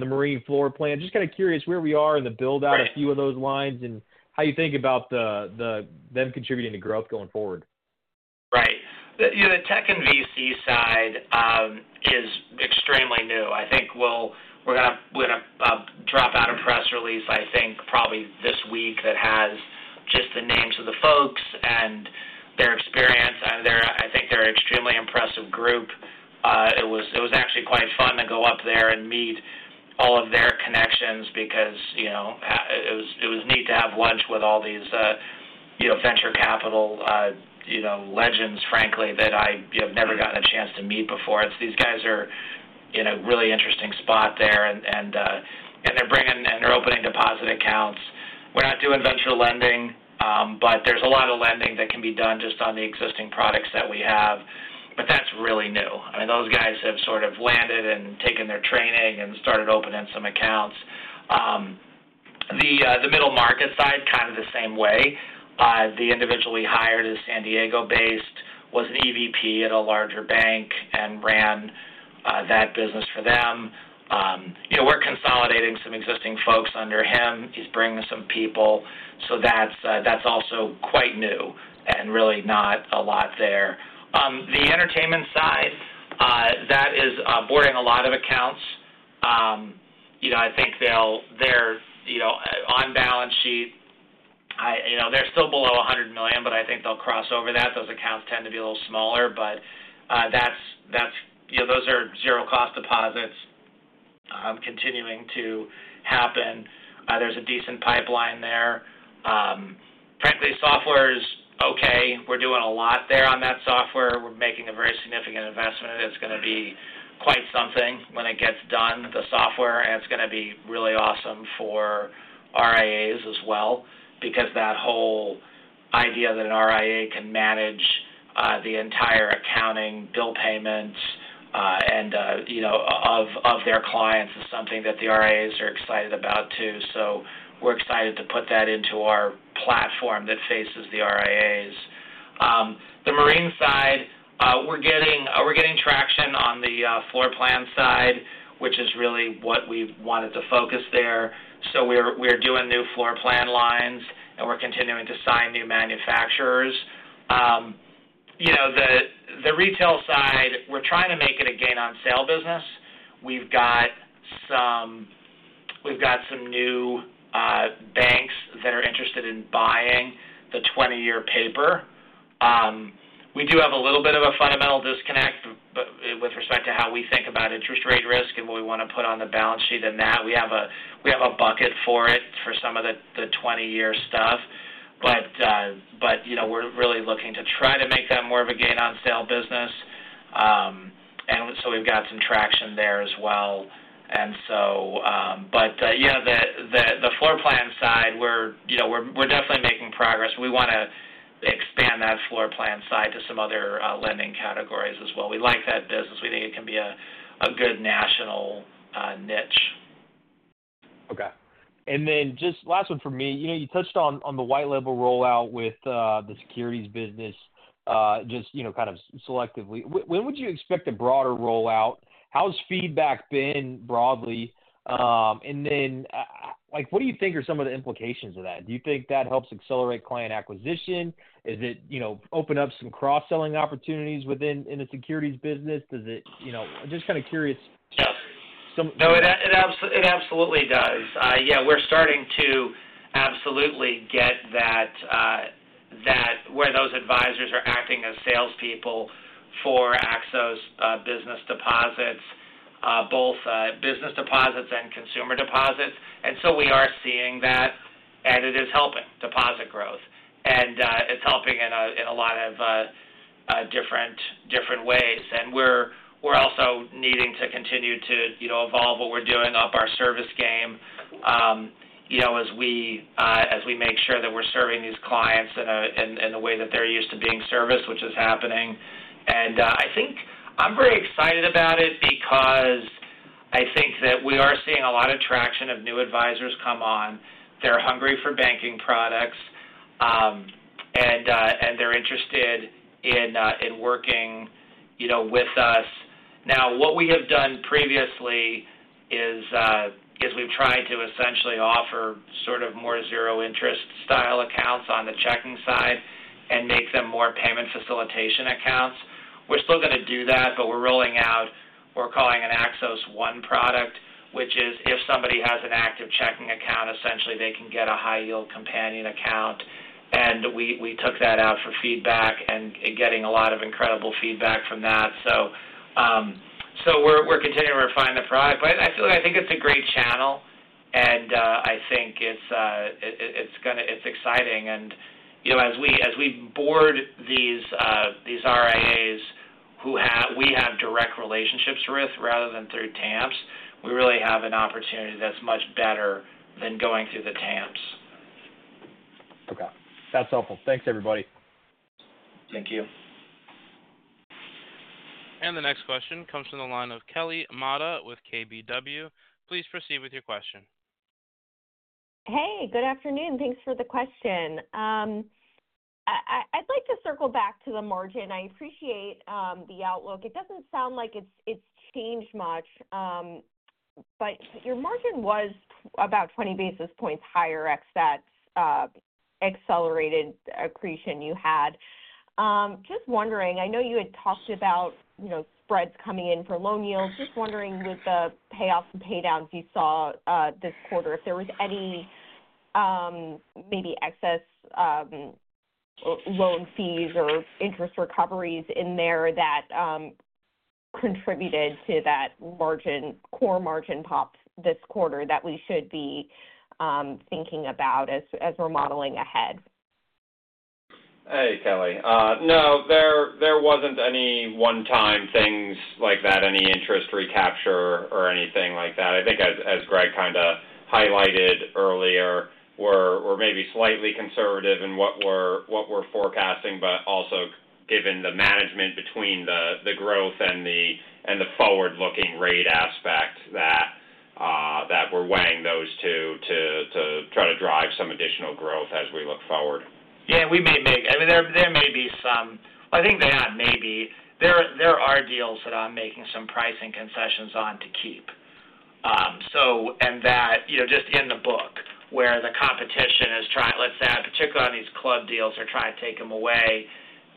the marine floor plan. Just kind of curious where we are in the build-out, a few of those lines, and how you think about them contributing to growth going forward. Right. The tech and VC side is extremely new. I think we're going to put out a press release, I think, probably this week that has just the names of the folks and their experience, and I think they're an extremely impressive group. It was actually quite fun to go up there and meet all of their connections because it was neat to have lunch with all these venture capital legends, frankly, that I have never gotten a chance to meet before. These guys are in a really interesting spot there, and they're bringing and they're opening deposit accounts. We're not doing venture lending, but there's a lot of lending that can be done just on the existing products that we have, but that's really new. I mean, those guys have sort of landed and taken their training and started opening some accounts. The middle market side, kind of the same way. The individual we hired is San Diego-based, was an EVP at a larger bank, and ran that business for them. We're consolidating some existing folks under him. He's bringing some people. So that's also quite new and really not a lot there. The entertainment side, that is boarding a lot of accounts. I think they're on balance sheet. They're still below $100 million, but I think they'll cross over that. Those accounts tend to be a little smaller, but those are zero-cost deposits continuing to happen. There's a decent pipeline there. Frankly, software is okay. We're doing a lot there on that software. We're making a very significant investment. It's going to be quite something when it gets done, the software. And it's going to be really awesome for RIAs as well because that whole idea that an RIA can manage the entire accounting, bill payments, and of their clients is something that the RIAs are excited about too. So we're excited to put that into our platform that faces the RIAs. The marine side, we're getting traction on the floor plan side, which is really what we wanted to focus there. So we're doing new floor plan lines, and we're continuing to sign new manufacturers. The retail side, we're trying to make it a gain-on-sale business. We've got some new banks that are interested in buying the 20-year paper. We do have a little bit of a fundamental disconnect with respect to how we think about interest rate risk and what we want to put on the balance sheet and that. We have a bucket for it for some of the 20-year stuff, but we're really looking to try to make that more of a gain-on-sale business, and so we've got some traction there as well, and so, but yeah, the floor plan side, we're definitely making progress. We want to expand that floor plan side to some other lending categories as well. We like that business. We think it can be a good national niche. Okay, and then just last one for me. You touched on the white-label rollout with the securities business, just kind of selectively. When would you expect a broader rollout? How's feedback been broadly? And then what do you think are some of the implications of that? Do you think that helps accelerate client acquisition? Does it open up some cross-selling opportunities within the securities business? Does it just kind of curious? Yeah. No, it absolutely does. Yeah. We're starting to absolutely get that where those advisors are acting as salespeople for Axos business deposits, both business deposits and consumer deposits. And so we are seeing that, and it is helping deposit growth. And it's helping in a lot of different ways. And we're also needing to continue to evolve what we're doing, up our service game as we make sure that we're serving these clients in the way that they're used to being serviced, which is happening. And I think I'm very excited about it because I think that we are seeing a lot of traction of new advisors come on. They're hungry for banking products, and they're interested in working with us. Now, what we have done previously is we've tried to essentially offer sort of more zero-interest style accounts on the checking side and make them more payment facilitation accounts. We're still going to do that, but we're rolling out what we're calling an Axos One product, which is if somebody has an active checking account, essentially they can get a high-yield companion account. And we took that out for feedback and getting a lot of incredible feedback from that. So we're continuing to refine the product. But I feel like I think it's a great channel, and I think it's exciting. And as we board these RIAs who we have direct relationships with rather than through TAMPs, we really have an opportunity that's much better than going through the TAMPs. Okay. That's helpful. Thanks, everybody. Thank you. And the next question comes from the line of Kelly Motta with KBW. Please proceed with your question. Hey, good afternoon. Thanks for the question. I'd like to circle back to the margin. I appreciate the outlook. It doesn't sound like it's changed much, but your margin was about 20 basis points higher ex that accelerated accretion you had. Just wondering, I know you had talked about spreads coming in for loan yields. Just wondering with the payoffs and paydowns you saw this quarter, if there was any maybe excess loan fees or interest recoveries in there that contributed to that core margin pop this quarter that we should be thinking about as we're modeling ahead. Hey, Kelly. No, there wasn't any one-time things like that, any interest recapture or anything like that. I think, as Greg kind of highlighted earlier, we're maybe slightly conservative in what we're forecasting, but also given the management between the growth and the forward-looking rate aspect that we're weighing those to try to drive some additional growth as we look forward. Yeah, we may make. I mean, there may be some. I think they aren't maybe. There are deals that I'm making some pricing concessions on to keep. And that just in the book where the competition is trying to, particularly on these club deals, they're trying to take them away,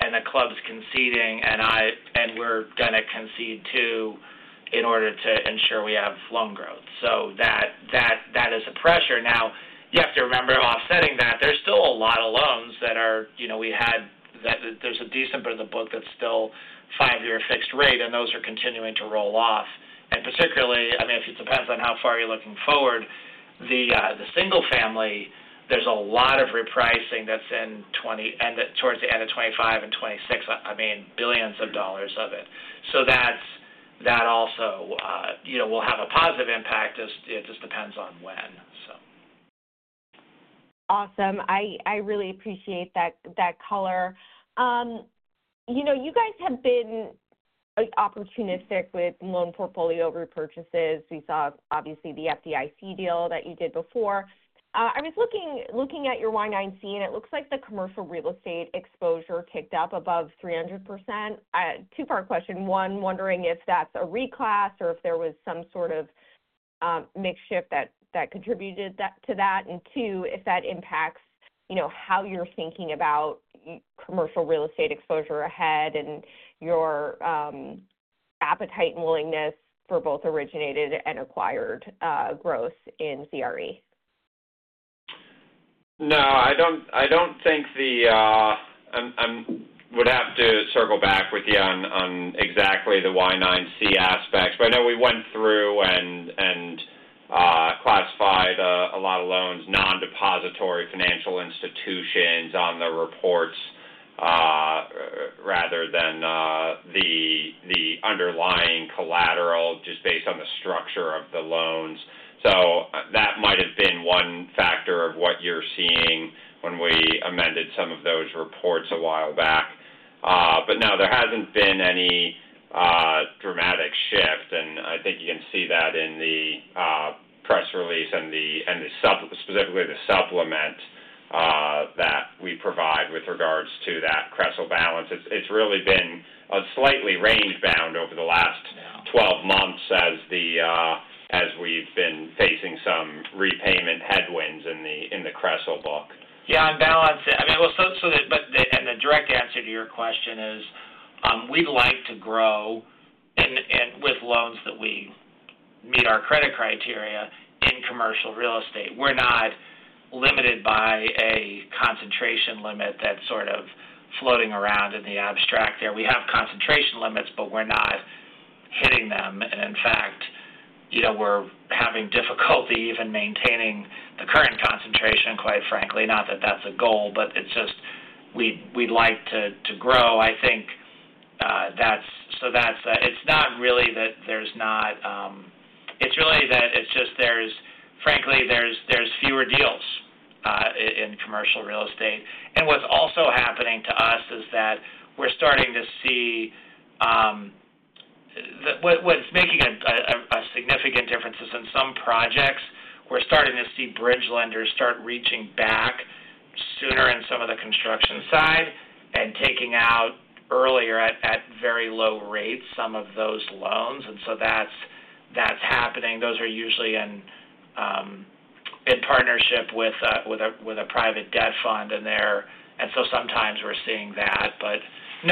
and the club's conceding, and we're going to concede too in order to ensure we have loan growth. So that is a pressure. Now, you have to remember offsetting that. There's still a lot of loans that we had that there's a decent bit of the book that's still five-year fixed rate, and those are continuing to roll off. And particularly, I mean, if it depends on how far you're looking forward, the single family, there's a lot of repricing that's in towards the end of 2025 and 2026, I mean, billions of dollars of it. So that also will have a positive impact. It just depends on when, so. Awesome. I really appreciate that color. You guys have been opportunistic with loan portfolio repurchases. We saw, obviously, the FDIC deal that you did before. I was looking at your Y-9C, and it looks like the commercial real estate exposure ticked up above 300%. Two-part question. One, wondering if that's a reclass or if there was some sort of acquisition that contributed to that. And two, if that impacts how you're thinking about commercial real estate exposure ahead and your appetite and willingness for both originated and acquired growth in CRE. No, I don't think that I would have to circle back with you on exactly the Y-9C aspect. But I know we went through and classified a lot of loans to non-depository financial institutions on the reports rather than the underlying collateral just based on the structure of the loans. So that might have been one factor of what you're seeing when we amended some of those reports a while back. But no, there hasn't been any dramatic shift. And I think you can see that in the press release and specifically the supplement that we provide with regards to that CRESL balance. It's really been slightly range-bound over the last 12 months as we've been facing some repayment headwinds in the CRESL book. Yeah, on balance. I mean, well, so the direct answer to your question is we'd like to grow with loans that we meet our credit criteria in commercial real estate. We're not limited by a concentration limit that's sort of floating around in the abstract there. We have concentration limits, but we're not hitting them. And in fact, we're having difficulty even maintaining the current concentration, quite frankly. Not that that's a goal, but it's just we'd like to grow. I think that's so it's not really that there's not. It's really that it's just, frankly, there's fewer deals in commercial real estate. And what's also happening to us is that we're starting to see what's making a significant difference is in some projects, we're starting to see bridge lenders start reaching back sooner in some of the construction side and taking out earlier at very low rates some of those loans. And so that's happening. Those are usually in partnership with a private debt fund. And so sometimes we're seeing that. But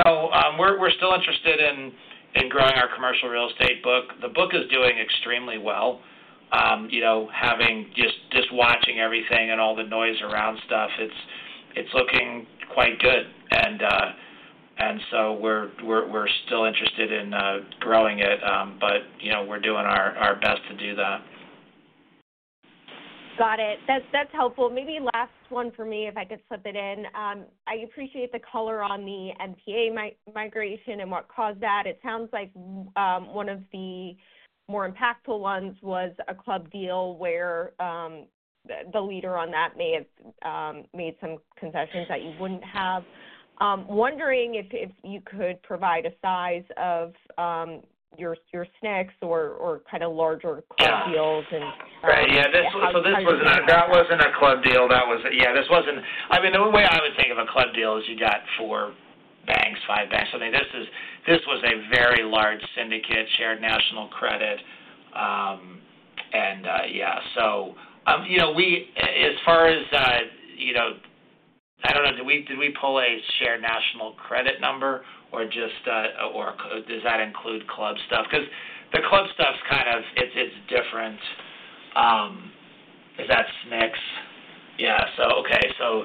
no, we're still interested in growing our commercial real estate book. The book is doing extremely well. Just watching everything and all the noise around stuff, it's looking quite good. And so we're still interested in growing it, but we're doing our best to do that. Got it. That's helpful. Maybe last one for me, if I could slip it in. I appreciate the color on the MPA migration and what caused that. It sounds like one of the more impactful ones was a club deal where the leader on that may have made some concessions that you wouldn't have. Wondering if you could provide a size of your SNCs or kind of larger club deals and. Right. Yeah. So that wasn't a club deal. Yeah. I mean, the only way I would think of a club deal is you got four banks, five banks. I mean, this was a very large syndicate, Shared National Credit. And yeah. So as far as I don't know. Did we pull a Shared National Credit number or just does that include club stuff? Because the club stuff's kind of it's different. Is that SNCs? Yeah. So okay. So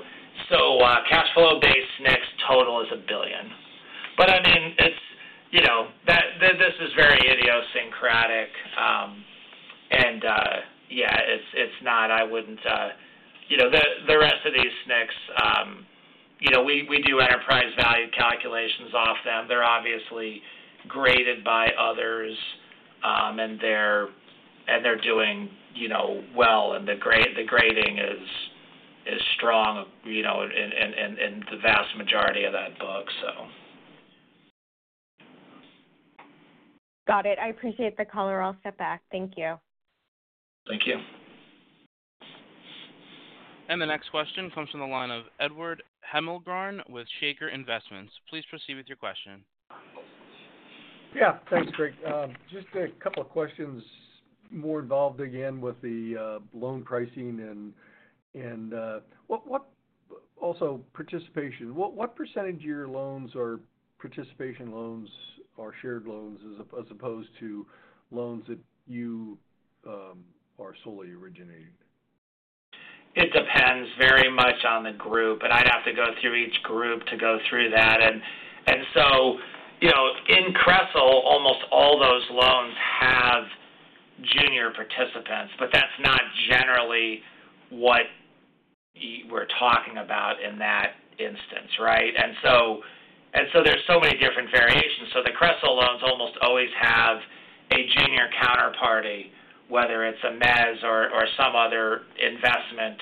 cash flow-based SNCs total $1 billion. But I mean, this is very idiosyncratic. And yeah, it's not I wouldn't the rest of these SNCs, we do enterprise value calculations off them. They're obviously graded by others, and they're doing well. And the grading is strong in the vast majority of that book, so. Got it. I appreciate the call. I'll step back. Thank you. Thank you. And the next question comes from the line of Edward Hemmelgarn with Shaker Investments. Please proceed with your question. Yeah. Thanks, Greg. Just a couple of questions more involved again with the loan pricing and also participation. What percentage of your loans are participation loans or shared loans as opposed to loans that you are solely originating? It depends very much on the group. And I'd have to go through each group to go through that. And so in CRE, almost all those loans have junior participants, but that's not generally what we're talking about in that instance, right? And so there's so many different variations. So the CRE loans almost always have a junior counterparty, whether it's a mezz or some other investment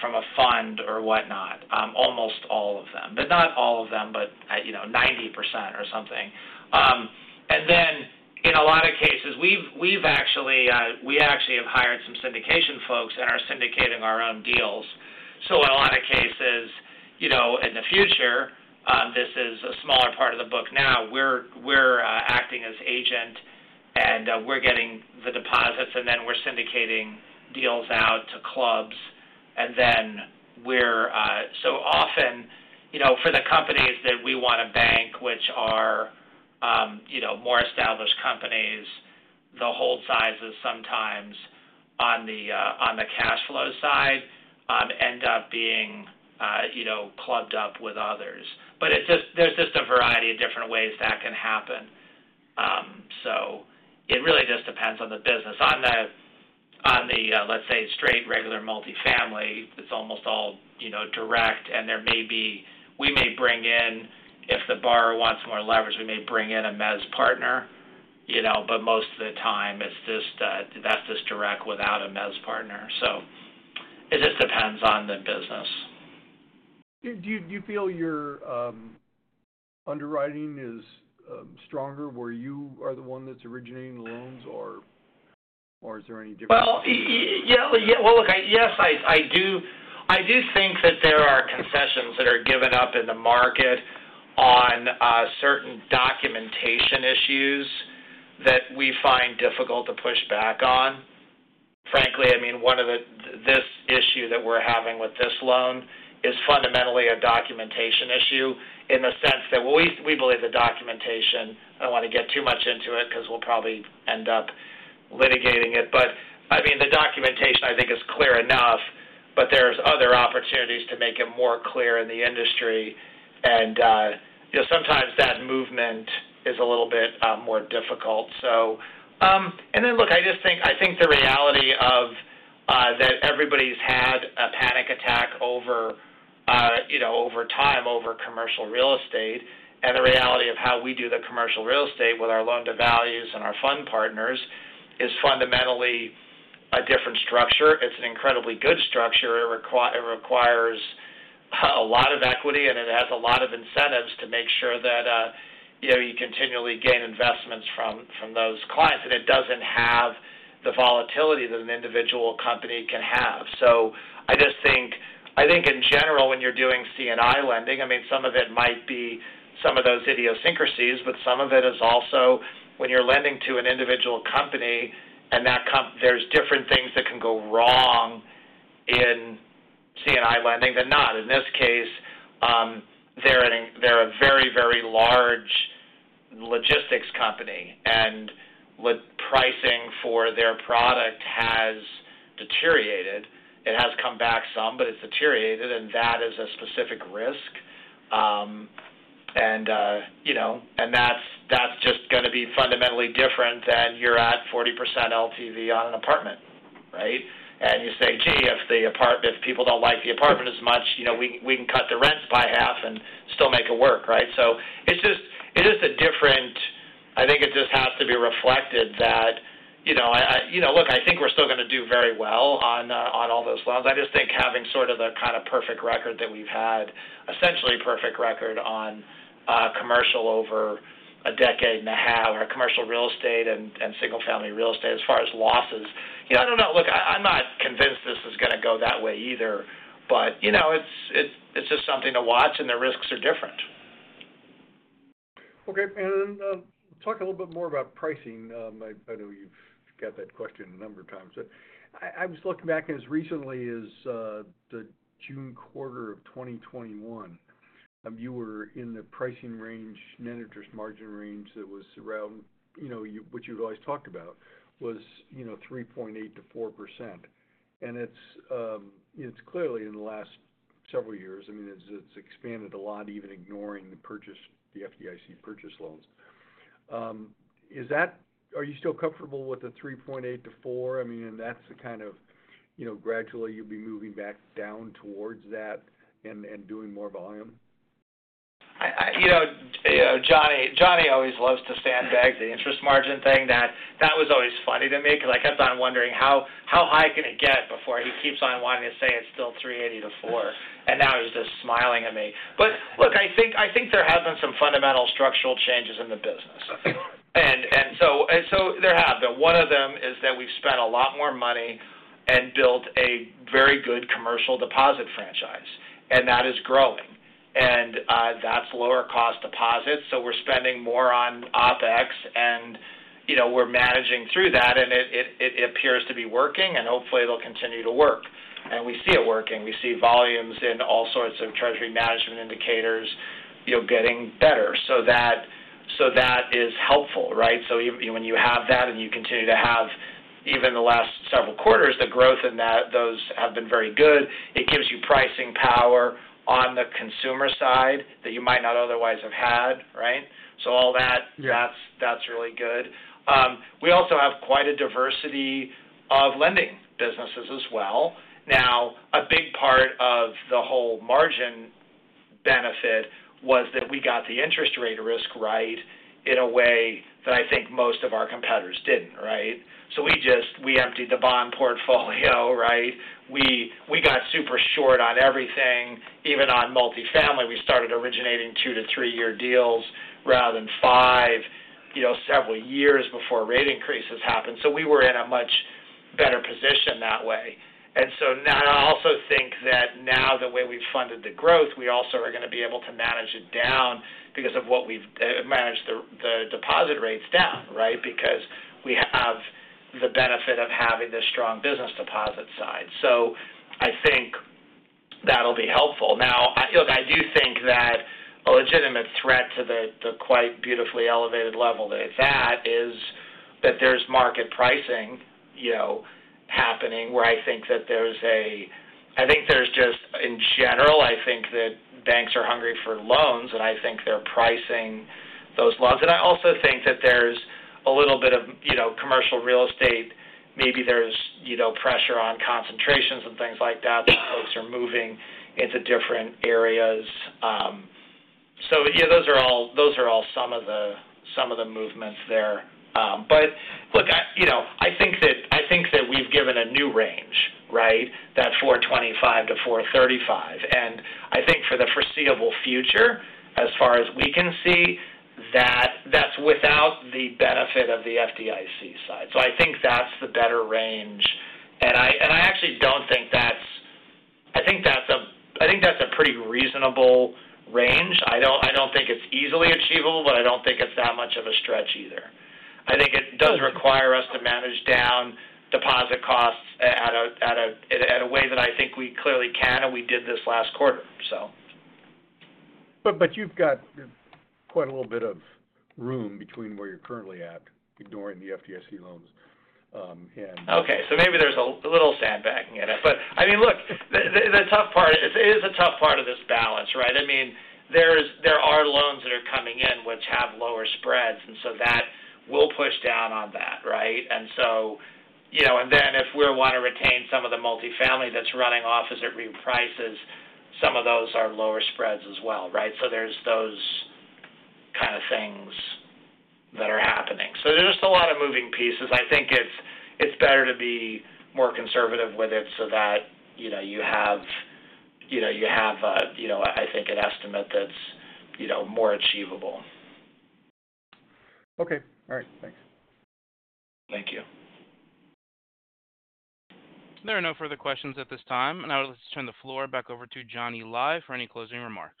from a fund or whatnot, almost all of them. But not all of them, but 90% or something. And then in a lot of cases, we actually have hired some syndication folks, and we're syndicating our own deals. So in a lot of cases, in the future, this is a smaller part of the book now. We're acting as agent, and we're getting the deposits, and then we're syndicating deals out to clubs. And then we're so often for the companies that we want to bank, which are more established companies, the hold sizes sometimes on the cash flow side end up being clubbed up with others. But there's just a variety of different ways that can happen. So it really just depends on the business. On the, let's say, straight regular multifamily, it's almost all direct. And we may bring in, if the borrower wants more leverage, we may bring in a mezz partner. But most of the time, that's just direct without a mezz partner. So it just depends on the business. Do you feel your underwriting is stronger where you are the one that's originating the loans, or is there any difference? Well, yeah. Look, yes, I do think that there are concessions that are given up in the market on certain documentation issues that we find difficult to push back on. Frankly, I mean, this issue that we're having with this loan is fundamentally a documentation issue in the sense that we believe the documentation. I don't want to get too much into it because we'll probably end up litigating it. But I mean, the documentation, I think, is clear enough, but there's other opportunities to make it more clear in the industry. And sometimes that movement is a little bit more difficult. And then, look, I just think the reality of that everybody's had a panic attack over time, over commercial real estate. And the reality of how we do the commercial real estate with our loan-to-values and our fund partners is fundamentally a different structure. It's an incredibly good structure. It requires a lot of equity, and it has a lot of incentives to make sure that you continually gain investments from those clients. And it doesn't have the volatility that an individual company can have. So I just think, in general, when you're doing C&I lending, I mean, some of it might be some of those idiosyncrasies, but some of it is also when you're lending to an individual company and there's different things that can go wrong in C&I lending than not. In this case, they're a very, very large logistics company, and pricing for their product has deteriorated. It has come back some, but it's deteriorated, and that is a specific risk. And that's just going to be fundamentally different than you're at 40% LTV on an apartment, right? And you say, "Gee, if people don't like the apartment as much, we can cut the rents by half and still make it work," right? So it's just a different, I think. It just has to be reflected that, look, I think we're still going to do very well on all those loans. I just think having sort of the kind of perfect record that we've had, essentially perfect record on commercial over a decade and a half, or commercial real estate and single-family real estate as far as losses. I don't know. Look, I'm not convinced this is going to go that way either, but it's just something to watch, and the risks are different. Okay. And talk a little bit more about pricing. I know you've got that question a number of times. But I was looking back as recently as the June quarter of 2021, you were in the pricing range, net interest margin range that was around what you've always talked about was 3.8%-4%. And it's clearly in the last several years. I mean, it's expanded a lot, even ignoring the FDIC purchase loans. Are you still comfortable with the 3.8%-4%? I mean, and that's the kind of gradually you'll be moving back down towards that and doing more volume? Johnny always loves to sandbag the interest margin thing. That was always funny to me because I kept on wondering how high can it get before he keeps on wanting to say it's still 3.8%-4%. And now he's just smiling at me. But look, I think there have been some fundamental structural changes in the business. And so there have been. One of them is that we've spent a lot more money and built a very good commercial deposit franchise, and that is growing. That's lower-cost deposits. We're spending more on OpEx, and we're managing through that, and it appears to be working, and hopefully, it'll continue to work. We see it working. We see volumes in all sorts of treasury management indicators getting better. That is helpful, right? When you have that and you continue to have even the last several quarters, the growth in those has been very good. It gives you pricing power on the consumer side that you might not otherwise have had, right? All that, that's really good. We also have quite a diversity of lending businesses as well. Now, a big part of the whole margin benefit was that we got the interest rate risk right in a way that I think most of our competitors didn't, right? So we emptied the bond portfolio, right? We got super short on everything, even on multifamily. We started originating two to three-year deals rather than five, several years before rate increases happened. So we were in a much better position that way. And so now I also think that now the way we've funded the growth, we also are going to be able to manage it down because of what we've managed the deposit rates down, right? Because we have the benefit of having the strong business deposit side. So I think that'll be helpful. Now, look, I do think that a legitimate threat to the quite beautifully elevated level that it's at is that there's market pricing happening where I think that there's just, in general, I think that banks are hungry for loans, and I think they're pricing those loans. And I also think that there's a little bit of commercial real estate. Maybe there's pressure on concentrations and things like that that folks are moving into different areas. So yeah, those are all some of the movements there. But look, I think that we've given a new range, right? That 425-435. And I think for the foreseeable future, as far as we can see, that's without the benefit of the FDIC side. So I think that's the better range. And I actually don't think that's I think that's a pretty reasonable range. I don't think it's easily achievable, but I don't think it's that much of a stretch either. I think it does require us to manage down deposit costs in a way that I think we clearly can, and we did this last quarter, so. But you've got quite a little bit of room between where you're currently at ignoring the FDIC loans. Okay. So maybe there's a little sandbagging in it. But I mean, look, the tough part is it is a tough part of this balance, right? I mean, there are loans that are coming in which have lower spreads, and so that will push down on that, right? And then if we want to retain some of the multifamily that's running off as it reprices, some of those are lower spreads as well, right? So there's those kind of things that are happening. So there's just a lot of moving pieces. I think it's better to be more conservative with it so that you have a, I think, an estimate that's more achievable. Okay. All right. Thanks. Thank you. There are no further questions at this time. Now, let's turn the floor back over to Johnny Lai for any closing remarks.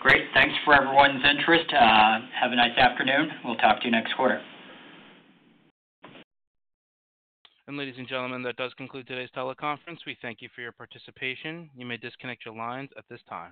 Great. Thanks for everyone's interest. Have a nice afternoon. We'll talk to you next quarter. And ladies and gentlemen, that does conclude today's teleconference. We thank you for your participation. You may disconnect your lines at this time.